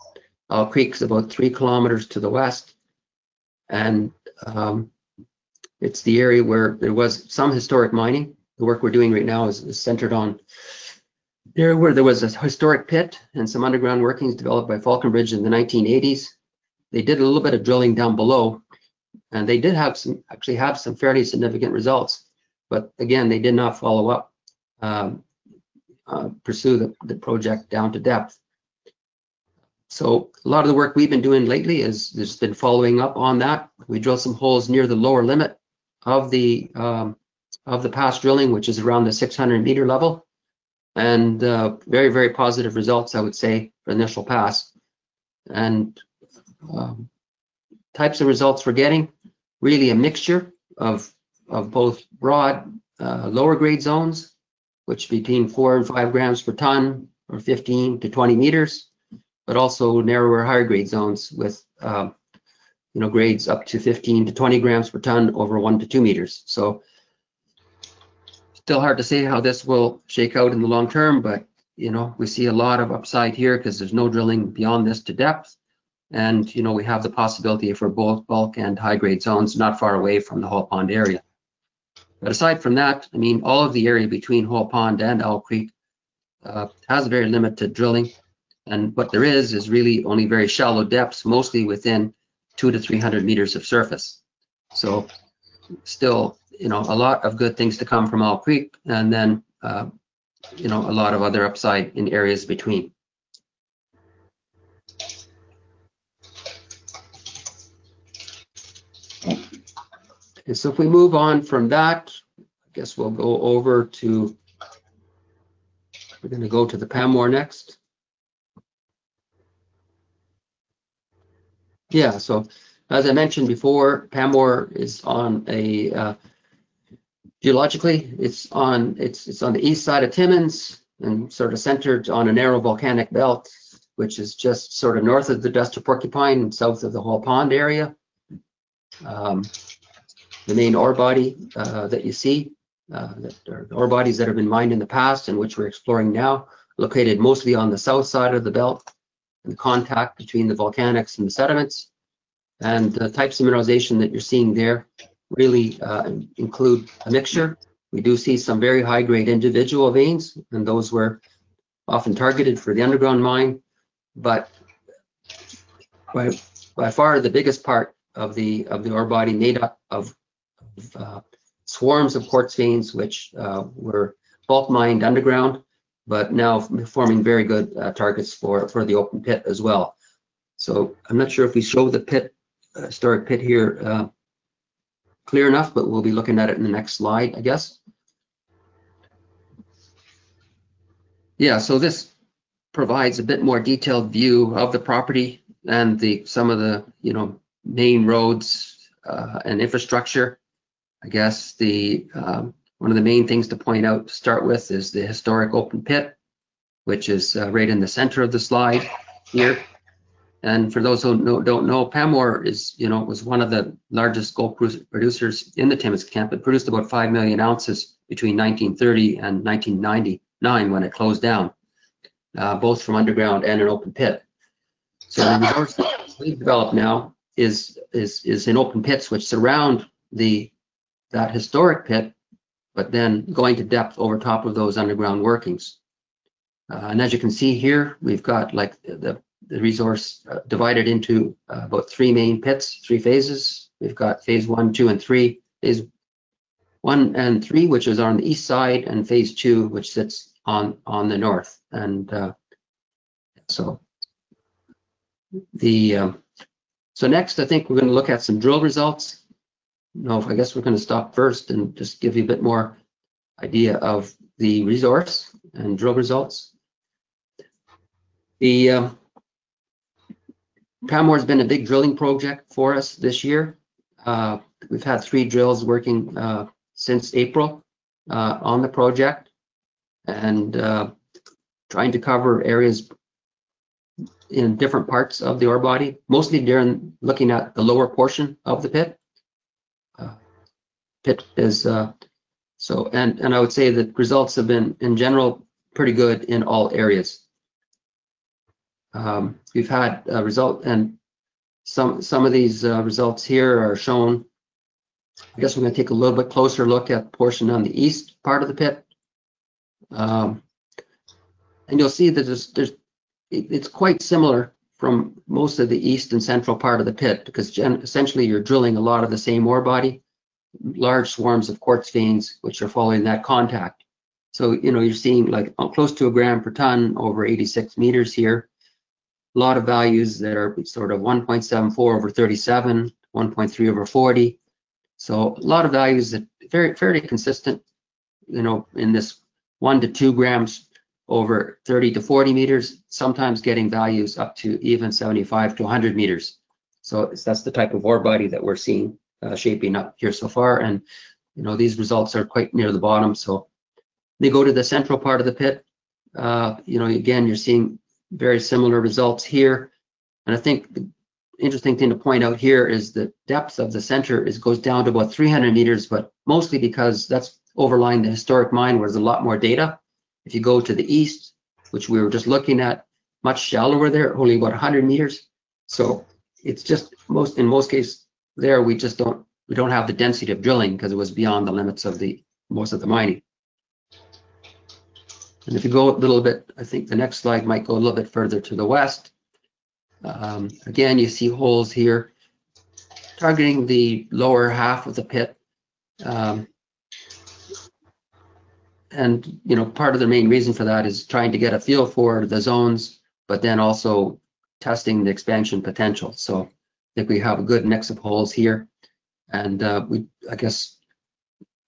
Creek's about three kilometers to the west. And it's the area where there was some historic mining. The work we're doing right now is centered on where there was a historic pit and some underground workings developed by Falconbridge in the 1980s. They did a little bit of drilling down below, and they did actually have some fairly significant results. But again, they did not follow up, pursue the project down to depth. So a lot of the work we've been doing lately has just been following up on that. We drilled some holes near the lower limit of the past drilling, which is around the 600-meter level, and very, very positive results, I would say, for initial pass, and types of results we're getting, really a mixture of both broad lower-grade zones, which between four and five grams per ton or 15-20 meters, but also narrower higher-grade zones with grades up to 15-20 grams per ton over one to two meters, so still hard to say how this will shake out in the long term, but we see a lot of upside here because there's no drilling beyond this to depth, and we have the possibility for both bulk and high-grade zones not far away from the Hoyle Pond area, but aside from that, I mean, all of the area between Hoyle Pond and Owl Creek has very limited drilling. And what there is is really only very shallow depths, mostly within 2-300 meters of surface. So still a lot of good things to come from Owl Creek and then a lot of other upside in areas between. And so if we move on from that, I guess we'll go to the Pamour next. Yeah. So as I mentioned before, Pamour is on a geologically, it's on the east side of Timmins and sort of centered on a narrow volcanic belt, which is just sort of north of the Destor-Porcupine and south of the Hoyle Pond area. The main ore body that you see, ore bodies that have been mined in the past and which we're exploring now, located mostly on the south side of the belt and the contact between the volcanics and the sediments. The types of mineralization that you're seeing there really include a mixture. We do see some very high-grade individual veins, and those were often targeted for the underground mine. By far, the biggest part of the ore body made up of swarms of quartz veins, which were bulk mined underground, but now forming very good targets for the open pit as well. I'm not sure if we show the historic pit here clear enough, but we'll be looking at it in the next slide, I guess. Yeah. This provides a bit more detailed view of the property and some of the main roads and infrastructure. I guess one of the main things to point out to start with is the historic open pit, which is right in the center of the slide here. And for those who don't know, Pamour was one of the largest gold producers in the Timmins camp. It produced about five million ounces between 1930 and 1999 when it closed down, both from underground and an open pit. So the resource that we've developed now is in open pits which surround that historic pit, but then going to depth over top of those underground workings. And as you can see here, we've got the resource divided into about three main pits, three phases. We've got phase one, two, and three, phase one and three, which is on the east side, and phase two, which sits on the north. And so next, I think we're going to look at some drill results. No, I guess we're going to stop first and just give you a bit more idea of the resource and drill results. Pamour has been a big drilling project for us this year. We've had three drills working since April on the project and trying to cover areas in different parts of the ore body, mostly looking at the lower portion of the pit, and I would say the results have been, in general, pretty good in all areas. We've had results, and some of these results here are shown. I guess we're going to take a little bit closer look at the portion on the east part of the pit, and you'll see that it's quite similar from most of the east and central part of the pit because essentially you're drilling a lot of the same ore body, large swarms of quartz veins which are following that contact. So you're seeing close to a gram per ton over 86 meters here, a lot of values that are sort of 1.74 over 37, 1.3 over 40. So a lot of values that are fairly consistent in this 1-2 grams over 30-40 meters, sometimes getting values up to even 75-100 meters. So that's the type of ore body that we're seeing shaping up here so far. And these results are quite near the bottom. So they go to the central part of the pit. Again, you're seeing very similar results here. And I think the interesting thing to point out here is the depth of the center goes down to about 300 meters, but mostly because that's overlying the historic mine where there's a lot more data. If you go to the east, which we were just looking at, much shallower there, only about 100 meters, so in most cases there, we don't have the density of drilling because it was beyond the limits of most of the mining, and if you go a little bit, I think the next slide might go a little bit further to the west. Again, you see holes here targeting the lower half of the pit, and part of the main reason for that is trying to get a feel for the zones, but then also testing the expansion potential, so I think we have a good mix of holes here, and I guess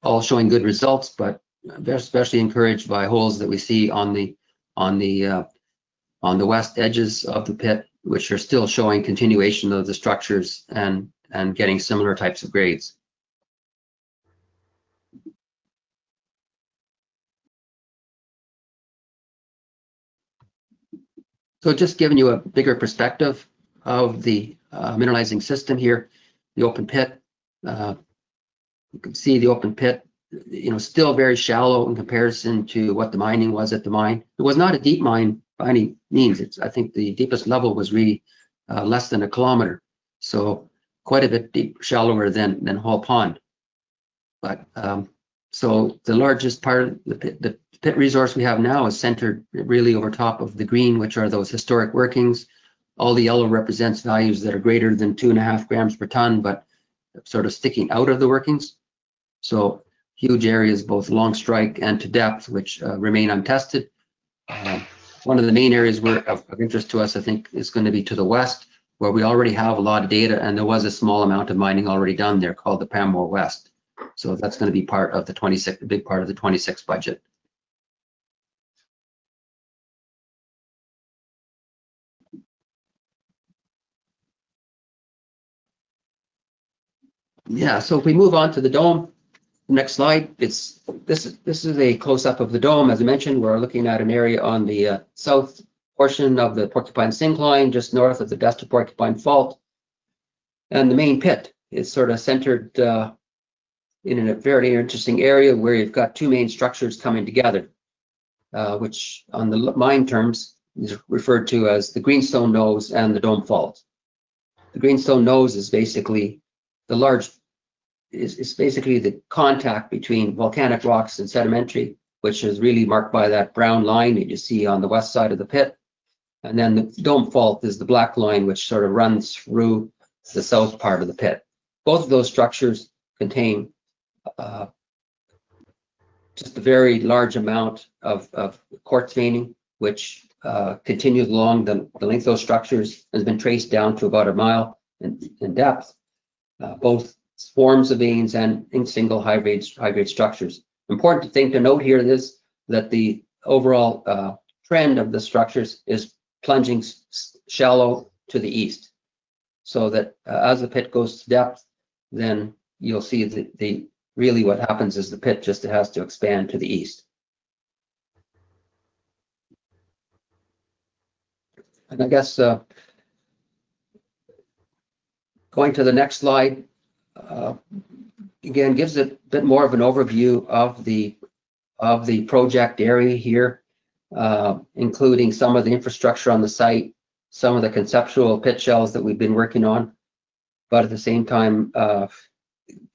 all showing good results, but especially encouraged by holes that we see on the west edges of the pit, which are still showing continuation of the structures and getting similar types of grades. So just giving you a bigger perspective of the mineralizing system here, the open pit. You can see the open pit still very shallow in comparison to what the mining was at the mine. It was not a deep mine by any means. I think the deepest level was really less than a kilometer. So quite a bit shallower than Hoyle Pond. So the largest part of the pit resource we have now is centered really over top of the green, which are those historic workings. All the yellow represents values that are greater than 2.5 grams per ton, but sort of sticking out of the workings. So huge areas, both along strike and to depth, which remain untested. One of the main areas of interest to us, I think, is going to be to the west, where we already have a lot of data, and there was a small amount of mining already done there called the Pamour West. So that's going to be part of the big part of the 26 budget. Yeah. So if we move on to the Dome, next slide. This is a close-up of the Dome. As I mentioned, we're looking at an area on the south portion of the Porcupine Syncline, just north of the Destor-Porcupine Fault. And the main pit is sort of centered in a very interesting area where you've got two main structures coming together, which on the mine terms is referred to as the Greenstone Nose and the Dome Fault. The Greenstone Nose is basically the contact between volcanic rocks and sedimentary, which is really marked by that brown line that you see on the west side of the pit, and then the Dome Fault is the black line which sort of runs through the south part of the pit. Both of those structures contain just a very large amount of quartz veining, which continues along the length of those structures and has been traced down to about a mile in depth, both swarms of veins and single high-grade structures. Important thing to note here is that the overall trend of the structures is plunging shallow to the east, so that as the pit goes to depth, then you'll see that really what happens is the pit just has to expand to the east. And I guess going to the next slide, again, gives a bit more of an overview of the project area here, including some of the infrastructure on the site, some of the conceptual pit shells that we've been working on. But at the same time, it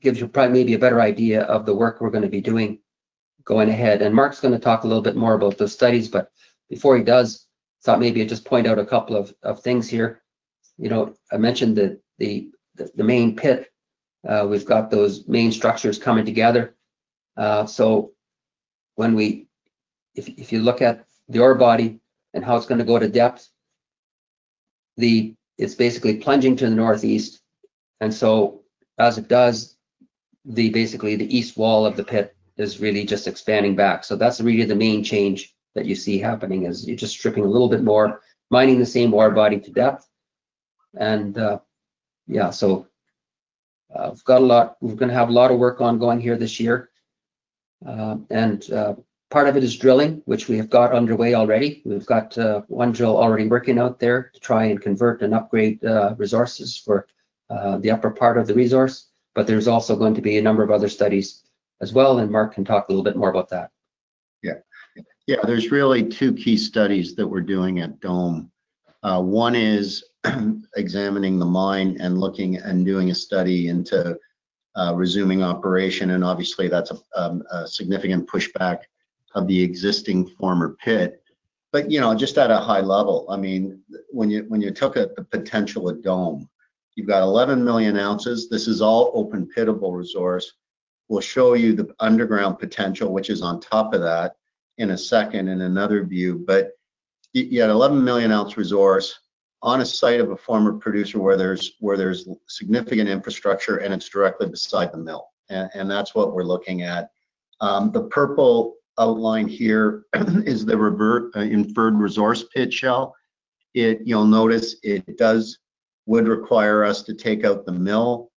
gives you probably maybe a better idea of the work we're going to be doing going ahead. And Mark's going to talk a little bit more about those studies. But before he does, I thought maybe I'd just point out a couple of things here. I mentioned the main pit. We've got those main structures coming together. So if you look at the ore body and how it's going to go to depth, it's basically plunging to the northeast. And so as it does, basically the east wall of the pit is really just expanding back. So that's really the main change that you see happening is you're just stripping a little bit more, mining the same ore body to depth. And yeah, so we're going to have a lot of work ongoing here this year. And part of it is drilling, which we have got underway already. We've got one drill already working out there to try and convert and upgrade resources for the upper part of the resource. But there's also going to be a number of other studies as well, and Mark can talk a little bit more about that. Yeah. Yeah. There's really two key studies that we're doing at Dome. One is examining the mine and doing a study into resuming operation. And obviously, that's a significant pushback of the existing former pit. But just at a high level, I mean, when you took a potential at Dome, you've got 11 million ounces. This is all open-pittable resource. We'll show you the underground potential, which is on top of that in a second in another view. But you had 11 million-ounce resource on a site of a former producer where there's significant infrastructure, and it's directly beside the mill. And that's what we're looking at. The purple outline here is the inferred resource pit shell. You'll notice it would require us to take out the mill.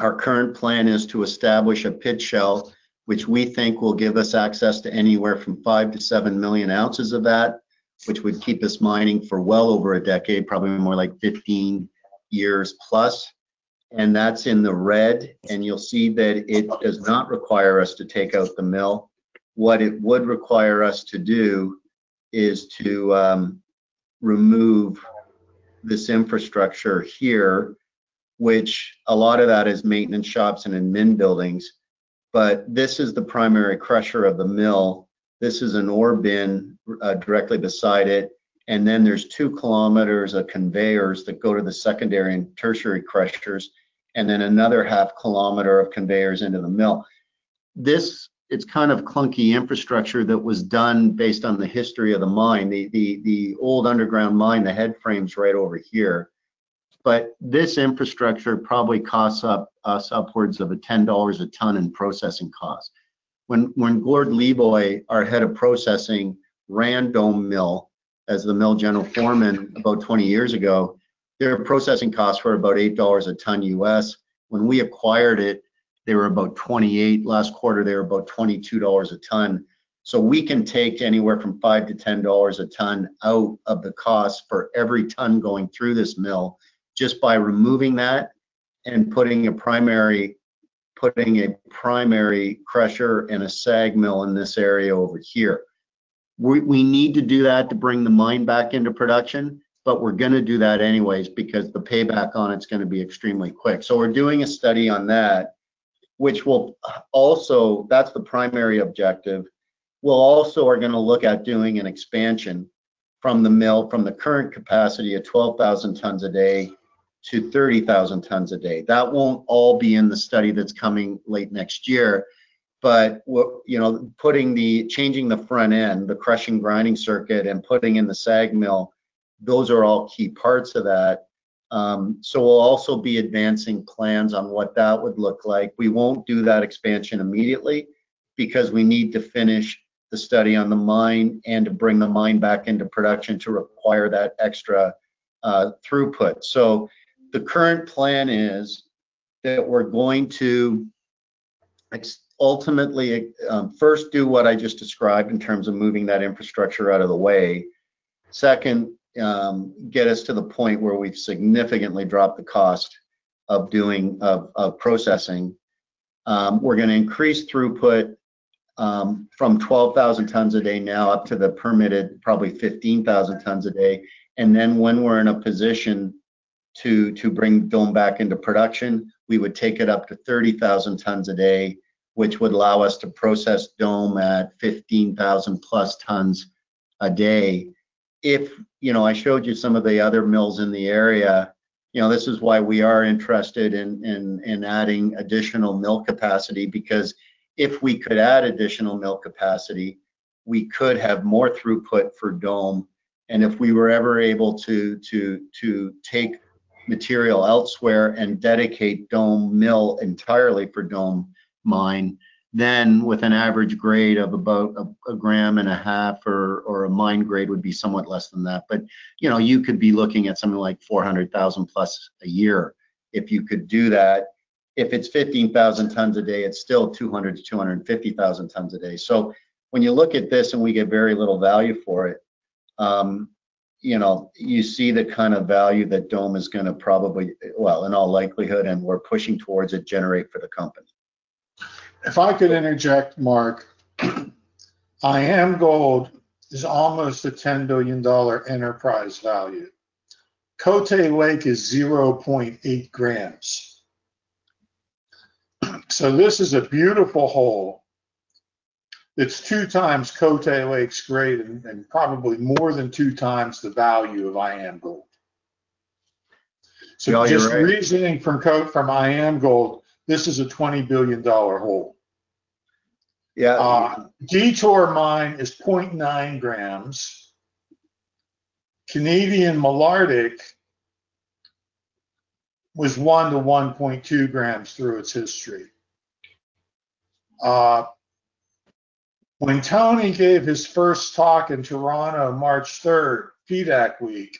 Our current plan is to establish a pit shell, which we think will give us access to anywhere from 5 to 7 million ounces of that, which would keep us mining for well over a decade, probably more like 15 years plus. And that's in the red. You'll see that it does not require us to take out the mill. What it would require us to do is to remove this infrastructure here, which a lot of that is maintenance shops and admin buildings. This is the primary crusher of the mill. This is an ore bin directly beside it. And then there's two kilometers of conveyors that go to the secondary and tertiary crushers, and then another half kilometer of conveyors into the mill. It's kind of clunky infrastructure that was done based on the history of the mine. The old underground mine, the headframes right over here. This infrastructure probably costs us upwards of $10/ton in processing costs. When Gordon Leavoy, our head of processing, ran Dome Mill as the mill general foreman about 20 years ago, their processing costs were about $8/ton U.S. When we acquired it, they were about 28. Last quarter, they were about $22 a ton. So we can take anywhere from $5-$10 a ton out of the cost for every ton going through this mill just by removing that and putting a primary crusher and a SAG mill in this area over here. We need to do that to bring the mine back into production, but we're going to do that anyways because the payback on it's going to be extremely quick. So we're doing a study on that, which will also, that's the primary objective. We'll also are going to look at doing an expansion from the mill, from the current capacity of 12,000 tons a day to 30,000 tons a day. That won't all be in the study that's coming late next year. But changing the front end, the crushing grinding circuit, and putting in the SAG mill, those are all key parts of that. So we'll also be advancing plans on what that would look like. We won't do that expansion immediately because we need to finish the study on the mine and to bring the mine back into production to require that extra throughput. So the current plan is that we're going to ultimately first do what I just described in terms of moving that infrastructure out of the way. Second, get us to the point where we've significantly dropped the cost of processing. We're going to increase throughput from 12,000 tons a day now up to the permitted probably 15,000 tons a day. And then when we're in a position to bring Dome back into production, we would take it up to 30,000 tons a day, which would allow us to process Dome at 15,000-plus tons a day. If I showed you some of the other mills in the area, this is why we are interested in adding additional mill capacity because if we could add additional mill capacity, we could have more throughput for Dome. And if we were ever able to take material elsewhere and dedicate Dome Mill entirely for Dome Mine, then with an average grade of about a gram and a half or a mine grade would be somewhat less than that. But you could be looking at something like 400,000-plus a year if you could do that. If it's 15,000 tons a day, it's still 200,000-250,000 tons a day. So when you look at this and we get very little value for it, you see the kind of value that Dome is going to probably, well, in all likelihood, and we're pushing towards it generate for the company. If I could interject, Mark, IAMGOLD is almost a $10 billion enterprise value. Côté Gold is 0.8 grams. So this is a beautiful hole. It's two times Côté Gold's grade and probably more than two times the value of IAMGOLD. So just reasoning from IAMGOLD, this is a $20 billion hole. Yeah. Detour Lake Mine is 0.9 grams. Canadian Malartic was 1-1.2 grams through its history. When Tony gave his first talk in Toronto on March 3rd, PDAC week,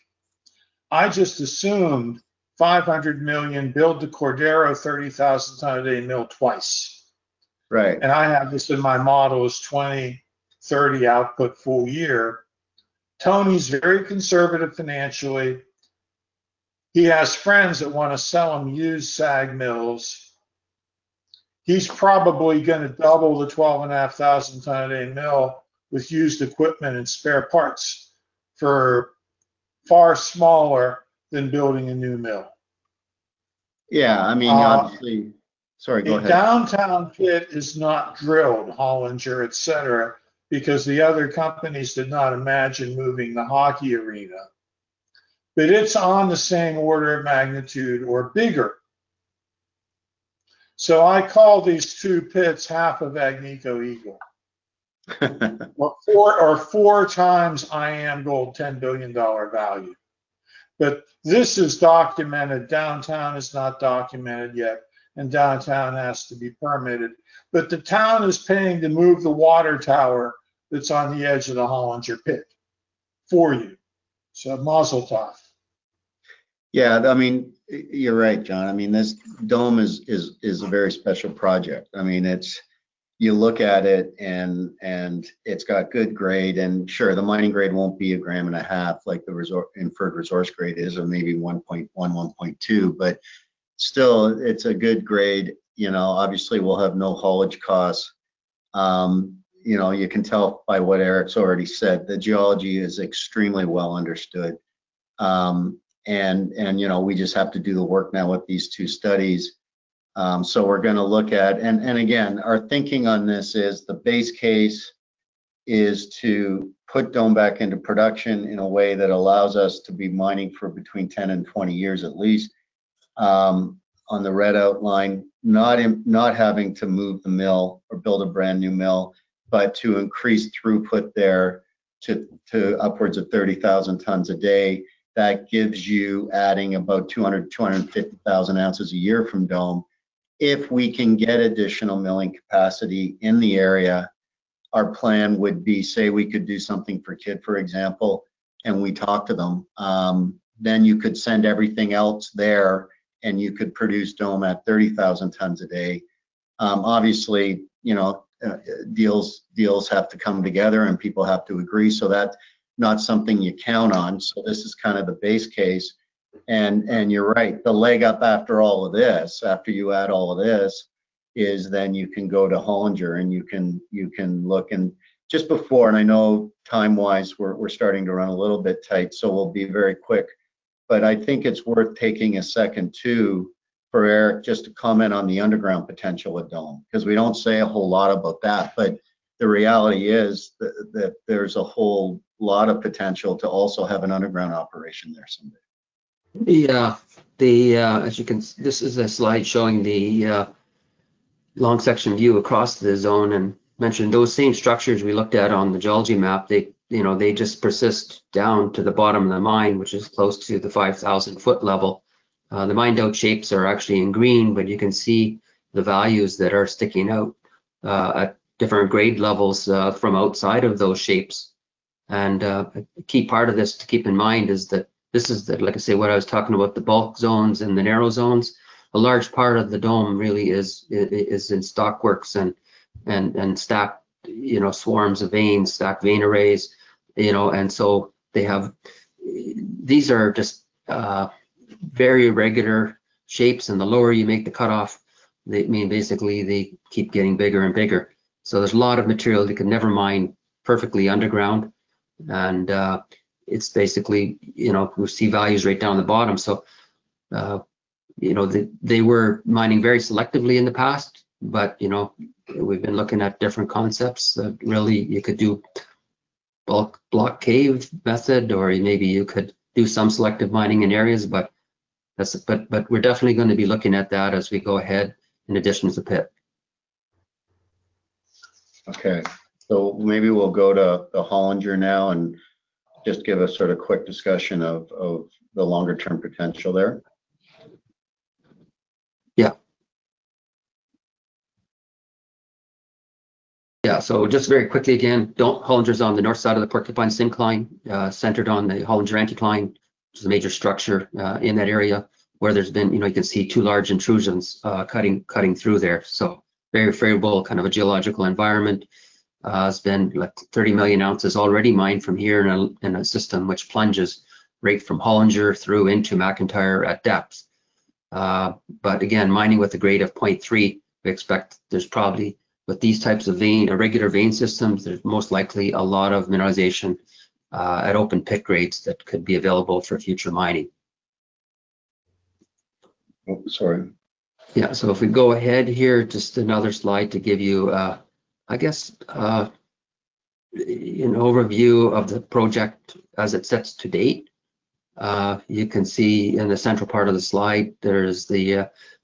I just assumed $500 million build the Cordero 30,000-ton-a-day mill twice. And I have this in my models 2030 output full year. Tony's very conservative financially. He has friends that want to sell him used SAG mills. He's probably going to double the 12,500-ton-a-day mill with used equipment and spare parts for far smaller than building a new mill. Yeah. I mean, obviously, sorry, go ahead. The downtown pit is not drilled, Hollinger, etc., because the other companies did not imagine moving the hockey arena. But it's on the same order of magnitude or bigger. So I call these two pits half of Agnico Eagle or four times IAMGOLD $10 billion value. But this is documented. Downtown is not documented yet, and downtown has to be permitted. But the town is paying to move the water tower that's on the edge of the Hollinger pit for you. So much tougher. Yeah. I mean, you're right, John. I mean, this Dome is a very special project. I mean, you look at it, and it's got good grade, and sure, the mining grade won't be a gram and a half like the inferred resource grade is or maybe 1.1, 1.2 but still, it's a good grade. Obviously, we'll have no haulage costs. You can tell by what Eric's already said. The geology is extremely well understood, and we just have to do the work now with these two studies, so we're going to look at, and again, our thinking on this is the base case is to put Dome back into production in a way that allows us to be mining for between 10 and 20 years at least on the red outline, not having to move the mill or build a brand new mill, but to increase throughput there to upwards of 30,000 tons a day. That gives you adding about 200-250 thousand ounces a year from Dome. If we can get additional milling capacity in the area, our plan would be, say, we could do something for Kidd, for example, and we talk to them. Then you could send everything else there, and you could produce Dome at 30,000 tons a day. Obviously, deals have to come together, and people have to agree, so that's not something you count on. This is kind of the base case, and you're right. The leg up after all of this, after you add all of this, is then you can go to Hollinger, and you can look, and just before, and I know time-wise, we're starting to run a little bit tight, so we'll be very quick. But I think it's worth taking a second to for Eric just to comment on the underground potential at Dome because we don't say a whole lot about that, but the reality is that there's a whole lot of potential to also have an underground operation there someday. Yeah. As you can, this is a slide showing the long-section view across the zone and mentioned those same structures we looked at on the geology map. They just persist down to the bottom of the mine, which is close to the 5,000-foot level. The mine dug shapes are actually in green, but you can see the values that are sticking out at different grade levels from outside of those shapes, and a key part of this to keep in mind is that this is, like I say, what I was talking about, the bulk zones and the narrow zones. A large part of the Dome really is in stockworks and stacked swarms of veins, stacked vein arrays. And so these are just very regular shapes. And the lower you make the cutoff, they mean basically they keep getting bigger and bigger. So there's a lot of material that could never mine perfectly underground. And it's basically we see values right down the bottom. So they were mining very selectively in the past, but we've been looking at different concepts that really you could do block cave method, or maybe you could do some selective mining in areas. But we're definitely going to be looking at that as we go ahead in addition to the pit. Okay. So maybe we'll go to Hollinger now and just give a sort of quick discussion of the longer-term potential there. Yeah. Yeah. So just very quickly again, Hollinger's on the north side of the Porcupine Syncline, centered on the Hollinger Anticline, which is a major structure in that area where there's been. You can see two large intrusions cutting through there. So very favorable kind of a geological environment. It's been like 30 million ounces already mined from here in a system which plunges right from Hollinger through into McIntyre at depth. But again, mining with a grade of 0.3, we expect there's probably with these types of regular vein systems, there's most likely a lot of mineralization at open pit grades that could be available for future mining. Sorry. Yeah. So if we go ahead here, just another slide to give you, I guess, an overview of the project as it sits to date. You can see in the central part of the slide, there is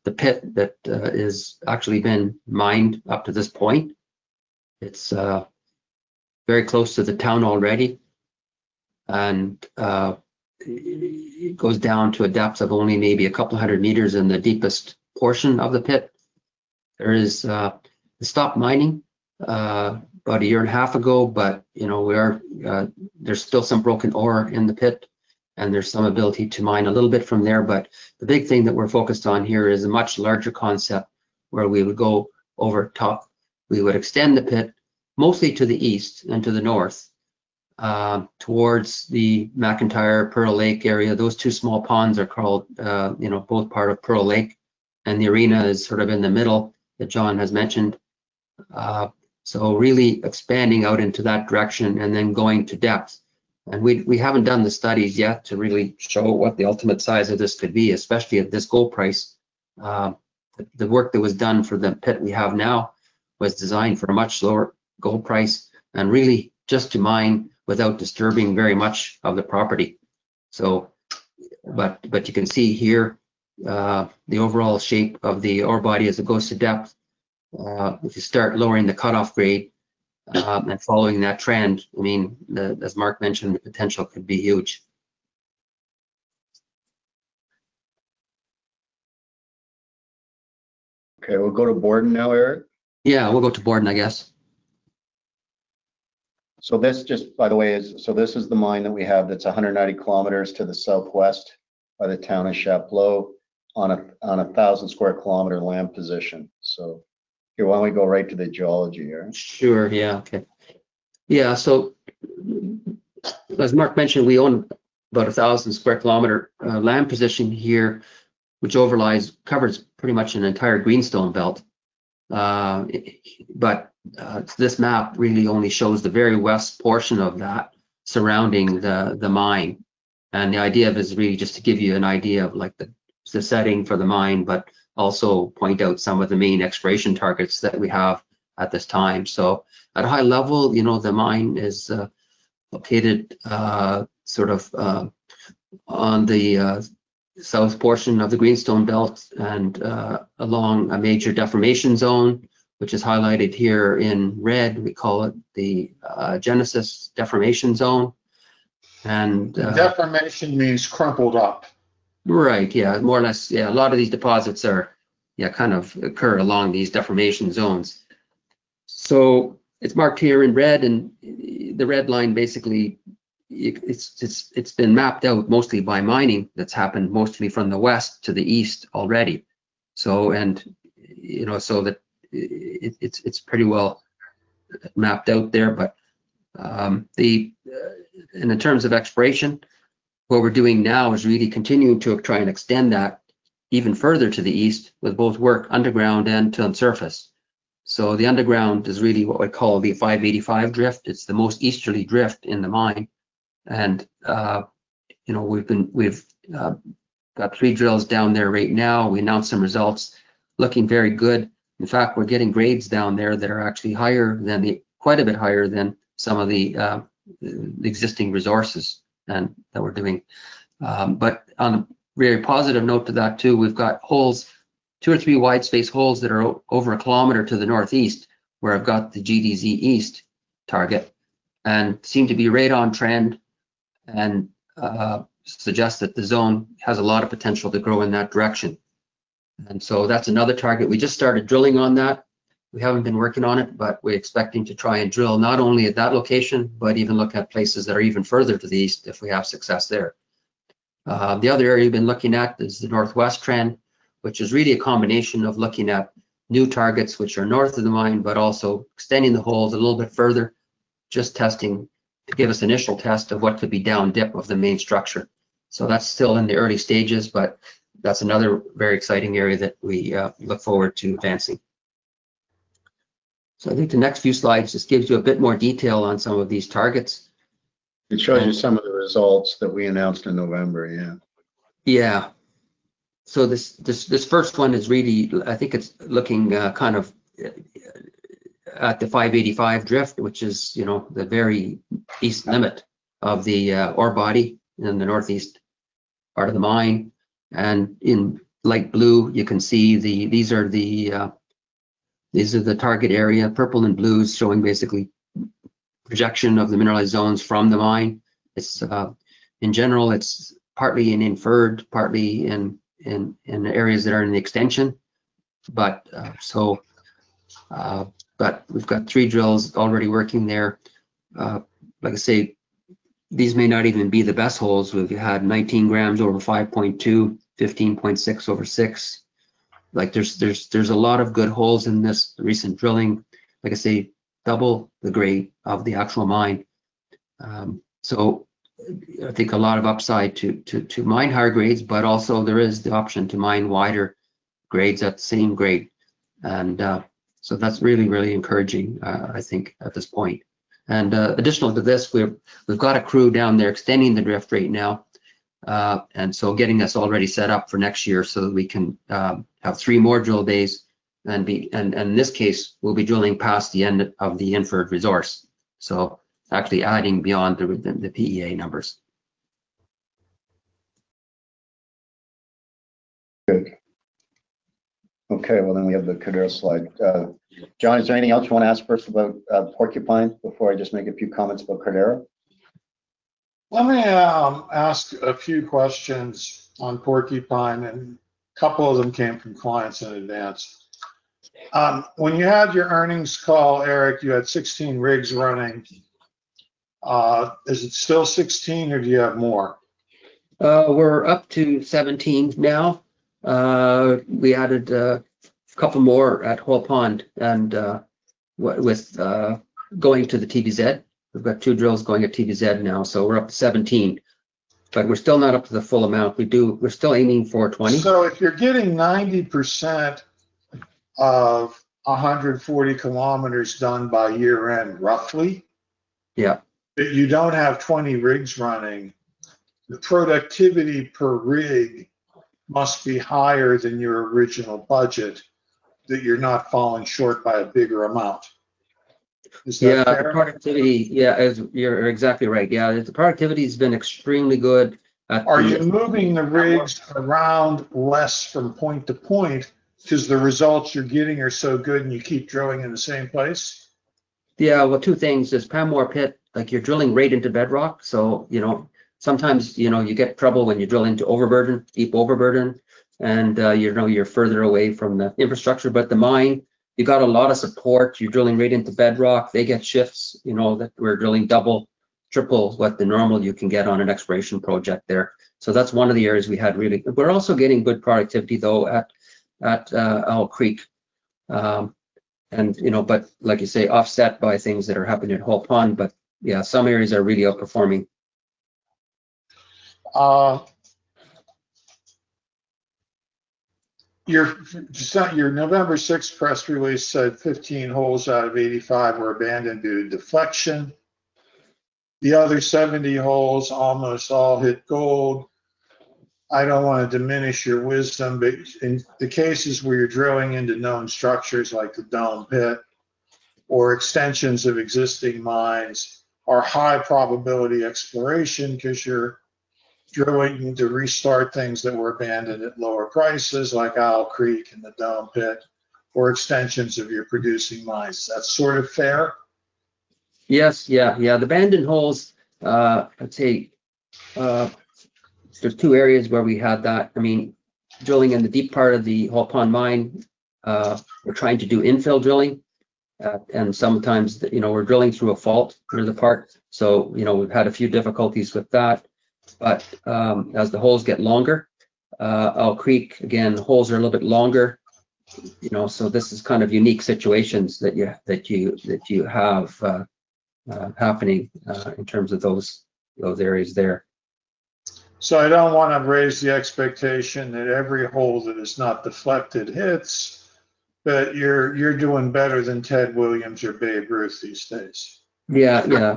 the pit that has actually been mined up to this point. It's very close to the town already, and it goes down to a depth of only maybe a couple hundred meters in the deepest portion of the pit. There is a stop mining about a year and a half ago, but there's still some broken ore in the pit, and there's some ability to mine a little bit from there, but the big thing that we're focused on here is a much larger concept where we would go over top. We would extend the pit mostly to the east and to the north towards the McIntyre, Pearl Lake area. Those two small ponds are both part of Pearl Lake, and the arena is sort of in the middle that John has mentioned. So really expanding out into that direction and then going to depth. And we haven't done the studies yet to really show what the ultimate size of this could be, especially at this gold price. The work that was done for the pit we have now was designed for a much lower gold price and really just to mine without disturbing very much of the property. But you can see here the overall shape of the ore body as it goes to depth. If you start lowering the cutoff grade and following that trend, I mean, as Mark mentioned, the potential could be huge. Okay. We'll go to Borden now, Eric? Yeah. We'll go to Borden, I guess. So this just, by the way, is. This is the mine that we have that's 190 km to the southwest of the town of Chapleau on a 1,000 sq km land position. So do you want me to go right to the geology here? Sure. Yeah. Okay. Yeah. So as Mark mentioned, we own about a 1,000-square-kilometer land position here, which covers pretty much an entire greenstone belt. But this map really only shows the very west portion of that surrounding the mine. And the idea of it is really just to give you an idea of the setting for the mine, but also point out some of the main exploration targets that we have at this time. So at a high level, the mine is located sort of on the south portion of the greenstone belt and along a major deformation zone, which is highlighted here in red. We call it the Genesis Deformation Zone. And deformation means crumpled up. Right. Yeah. More or less, yeah, a lot of these deposits kind of occur along these deformation zones. So it's marked here in red, and the red line basically, it's been mapped out mostly by mining that's happened mostly from the west to the east already. And so it's pretty well mapped out there. But in terms of exploration, what we're doing now is really continuing to try and extend that even further to the east with both work underground and to the surface. So the underground is really what we call the 585 Drift. It's the most easterly drift in the mine. And we've got three drills down there right now. We announced some results, looking very good. In fact, we're getting grades down there that are actually quite a bit higher than some of the existing resources that we're doing. But on a very positive note to that too, we've got holes, two or three wide-spaced holes that are over a kilometer to the northeast where I've got the GDZ East target and seem to be right on trend and suggest that the zone has a lot of potential to grow in that direction. And so that's another target. We just started drilling on that. We haven't been working on it, but we're expecting to try and drill not only at that location, but even look at places that are even further to the east if we have success there. The other area we've been looking at is the northwest trend, which is really a combination of looking at new targets which are north of the mine, but also extending the holes a little bit further, just testing to give us initial test of what could be down dip of the main structure. So that's still in the early stages, but that's another very exciting area that we look forward to advancing. So I think the next few slides just gives you a bit more detail on some of these targets. It shows you some of the results that we announced in November, yeah. Yeah. So this first one is really, I think it's looking kind of at the 585 Drift, which is the very east limit of the ore body in the northeast part of the mine. And in light blue, you can see these are the target area. Purple and blue is showing basically projection of the mineralized zones from the mine. In general, it's partly in inferred, partly in areas that are in the extension, but we've got three drills already working there. Like I say, these may not even be the best holes. We've had 19 grams over 5.2, 15.6 over 6. There's a lot of good holes in this recent drilling, like I say, double the grade of the actual mine, so I think a lot of upside to mine higher grades, but also there is the option to mine wider grades at the same grade, and so that's really, really encouraging, I think, at this point, and additionally to this, we've got a crew down there extending the drift right now, and so getting us already set up for next year so that we can have three more drill days. And in this case, we'll be drilling past the end of the inferred resource. So actually adding beyond the PEA numbers. Good. Okay. Well, then we have the Cordero slide. John, is there anything else you want to ask first about Porcupine before I just make a few comments about Cordero? Let me ask a few questions on Porcupine, and a couple of them came from clients in advance. When you had your earnings call, Eric, you had 16 rigs running. Is it still 16, or do you have more? We're up to 17 now. We added a couple more at Hoyle Pond. And with going to the TVZ, we've got two drills going at TVZ now, so we're up to 17. But we're still not up to the full amount. We're still aiming for 20. So if you're getting 90% of 140 km done by year-end, roughly, but you don't have 20 rigs running, the productivity per rig must be higher than your original budget that you're not falling short by a bigger amount. Is that fair? Yeah. Productivity, yeah. You're exactly right. Yeah. The productivity has been extremely good. Are you moving the rigs around less from point to point because the results you're getting are so good and you keep drilling in the same place? Yeah. Well, two things. There's kind of more pit. You're drilling right into bedrock. So sometimes you get trouble when you drill into overburden, deep overburden, and you're further away from the infrastructure. But the mine, you got a lot of support. You're drilling right into bedrock. They get shifts that we're drilling double, triple what the normal you can get on an exploration project there. So that's one of the areas we had really. We're also getting good productivity, though, at Owl Creek. But like you say, offset by things that are happening at Hoyle Pond. But yeah, some areas are really outperforming. Your November 6th press release said 15 holes out of 85 were abandoned due to deflection. The other 70 holes almost all hit gold. I don't want to diminish your wisdom, but in the cases where you're drilling into known structures like the Dome pit or extensions of existing mines, are high probability exploration because you're drilling to restart things that were abandoned at lower prices like Owl Creek and the Dome pit or extensions of your producing mines. That's sort of fair? Yes. Yeah. Yeah. The abandoned holes, I'd say there's two areas where we had that. I mean, drilling in the deep part of the Hoyle Pond mine, we're trying to do infill drilling. And sometimes we're drilling through a fault through the part. So we've had a few difficulties with that. But as the holes get longer, Owl Creek, again, holes are a little bit longer. So this is kind of unique situations that you have happening in terms of those areas there. So I don't want to raise the expectation that every hole that is not deflected hits, but you're doing better than Ted Williams or Babe Ruth these days. Yeah. Yeah.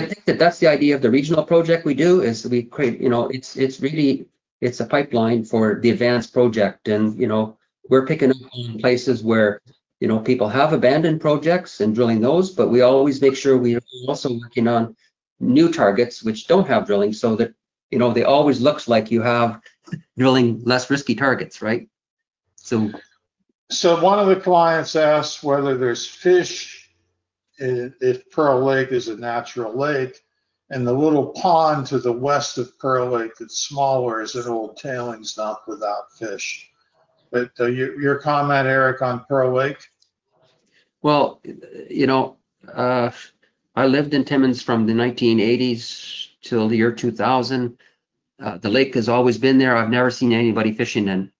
I think that that's the idea of the regional project we do is we create it's really a pipeline for the advanced project. And we're picking up on places where people have abandoned projects and drilling those, but we always make sure we're also working on new targets which don't have drilling so that it always looks like you have drilling less risky targets, right? So one of the clients asked whether there's fish if Pearl Lake is a natural lake. And the little pond to the west of Pearl Lake that's smaller is an old tailings dump without fish. But your comment, Eric, on Pearl Lake? Well, I lived in Timmins from the 1980s till the year 2000. The lake has always been there. I've never seen anybody fishing in.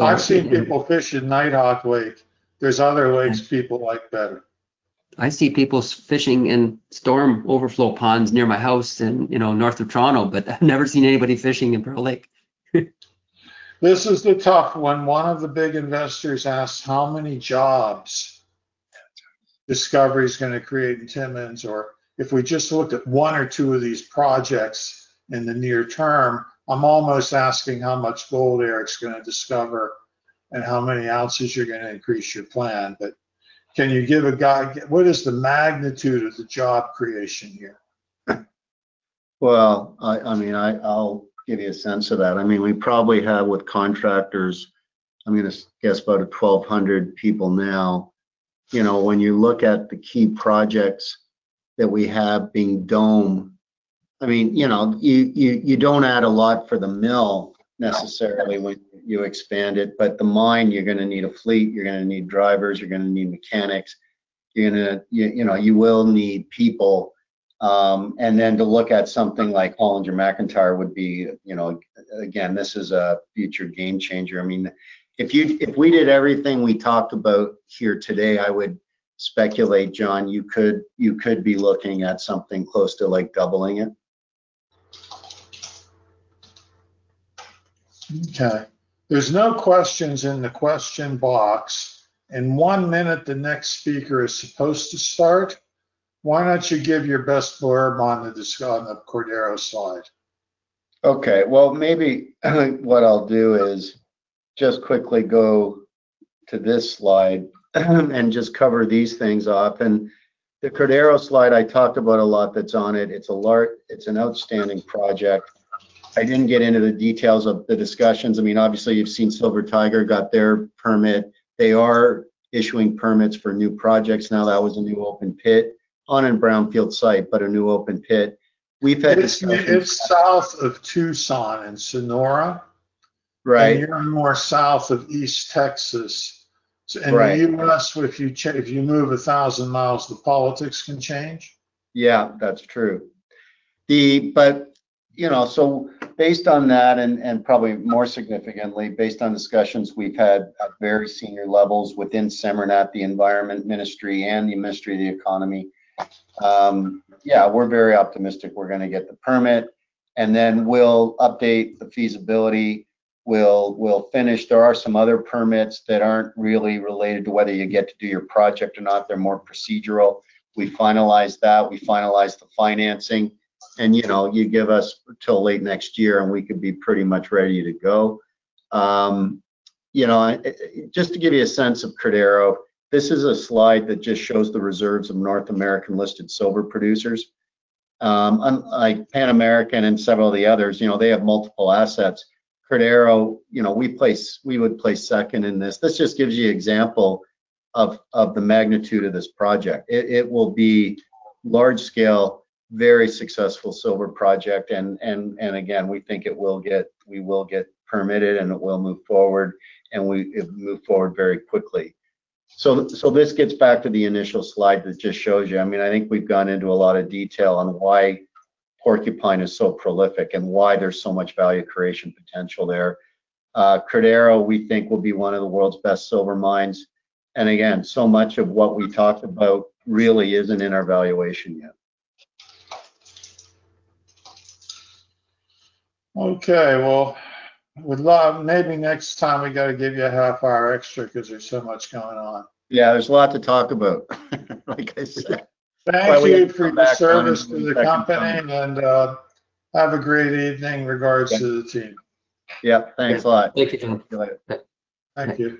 I've seen people fish in Nighthawk Lake. There's other lakes people like better. I see people fishing in storm overflow ponds near my house north of Toronto, but I've never seen anybody fishing in Pearl Lake. This is the tough one. One of the big investors asked how many jobs Discovery is going to create in Timmins. Or if we just look at one or two of these projects in the near term, I'm almost asking how much gold Eric's going to discover and how many ounces you're going to increase your plan. But can you give a guide? What is the magnitude of the job creation here? Well, I mean, I'll give you a sense of that. I mean, we probably have with contractors, I'm going to guess about 1,200 people now. When you look at the key projects that we have being Dome, I mean, you don't add a lot for the mill necessarily when you expand it. But the mine, you're going to need a fleet. You're going to need drivers. You're going to need mechanics. You will need people. And then to look at something like Hollinger McIntyre would be, again, this is a future game changer. I mean, if we did everything we talked about here today, I would speculate, John, you could be looking at something close to doubling it. Okay. There's no questions in the question box. In one minute, the next speaker is supposed to start. Why don't you give your best blurb on the Cordero slide? Okay. Well, maybe what I'll do is just quickly go to this slide and just cover these things up. And the Cordero slide, I talked about a lot that's on it. It's an outstanding project. I didn't get into the details of the discussions. I mean, obviously, you've seen Silver Tiger got their permit. They are issuing permits for new projects now. That was a new open pit on a brownfield site, but a new open pit. We've had discussions. It's south of Tucson and Sonora, and you're more south of East Texas, and in the U.S., if you move 1,000 miles, the politics can change. Yeah. That's true, but so based on that, and probably more significantly, based on discussions we've had at very senior levels within SEMARNAT, the Environment Ministry, and the Ministry of the Economy, yeah, we're very optimistic we're going to get the permit, and then we'll update the feasibility. We'll finish. There are some other permits that aren't really related to whether you get to do your project or not. They're more procedural. We finalize that. We finalize the financing, and you give us till late next year, and we could be pretty much ready to go. Just to give you a sense of Cordero, this is a slide that just shows the reserves of North American listed silver producers. American and several of the others, they have multiple assets. Cordero, we would place second in this. This just gives you an example of the magnitude of this project. It will be large-scale, very successful silver project. And again, we think we will get permitted, and it will move forward, and we move forward very quickly. So this gets back to the initial slide that just shows you. I mean, I think we've gone into a lot of detail on why Porcupine is so prolific and why there's so much value creation potential there. Cordero, we think, will be one of the world's best silver mines. And again, so much of what we talked about really isn't in our valuation yet. Okay. Well, maybe next time we got to give you a half hour extra because there's so much going on. Yeah. There's a lot to talk about, like I said. Thank you for the service to the company and have a great evening in regards to the team. Yeah. Thanks a lot. Thank you. See you later. Thank you.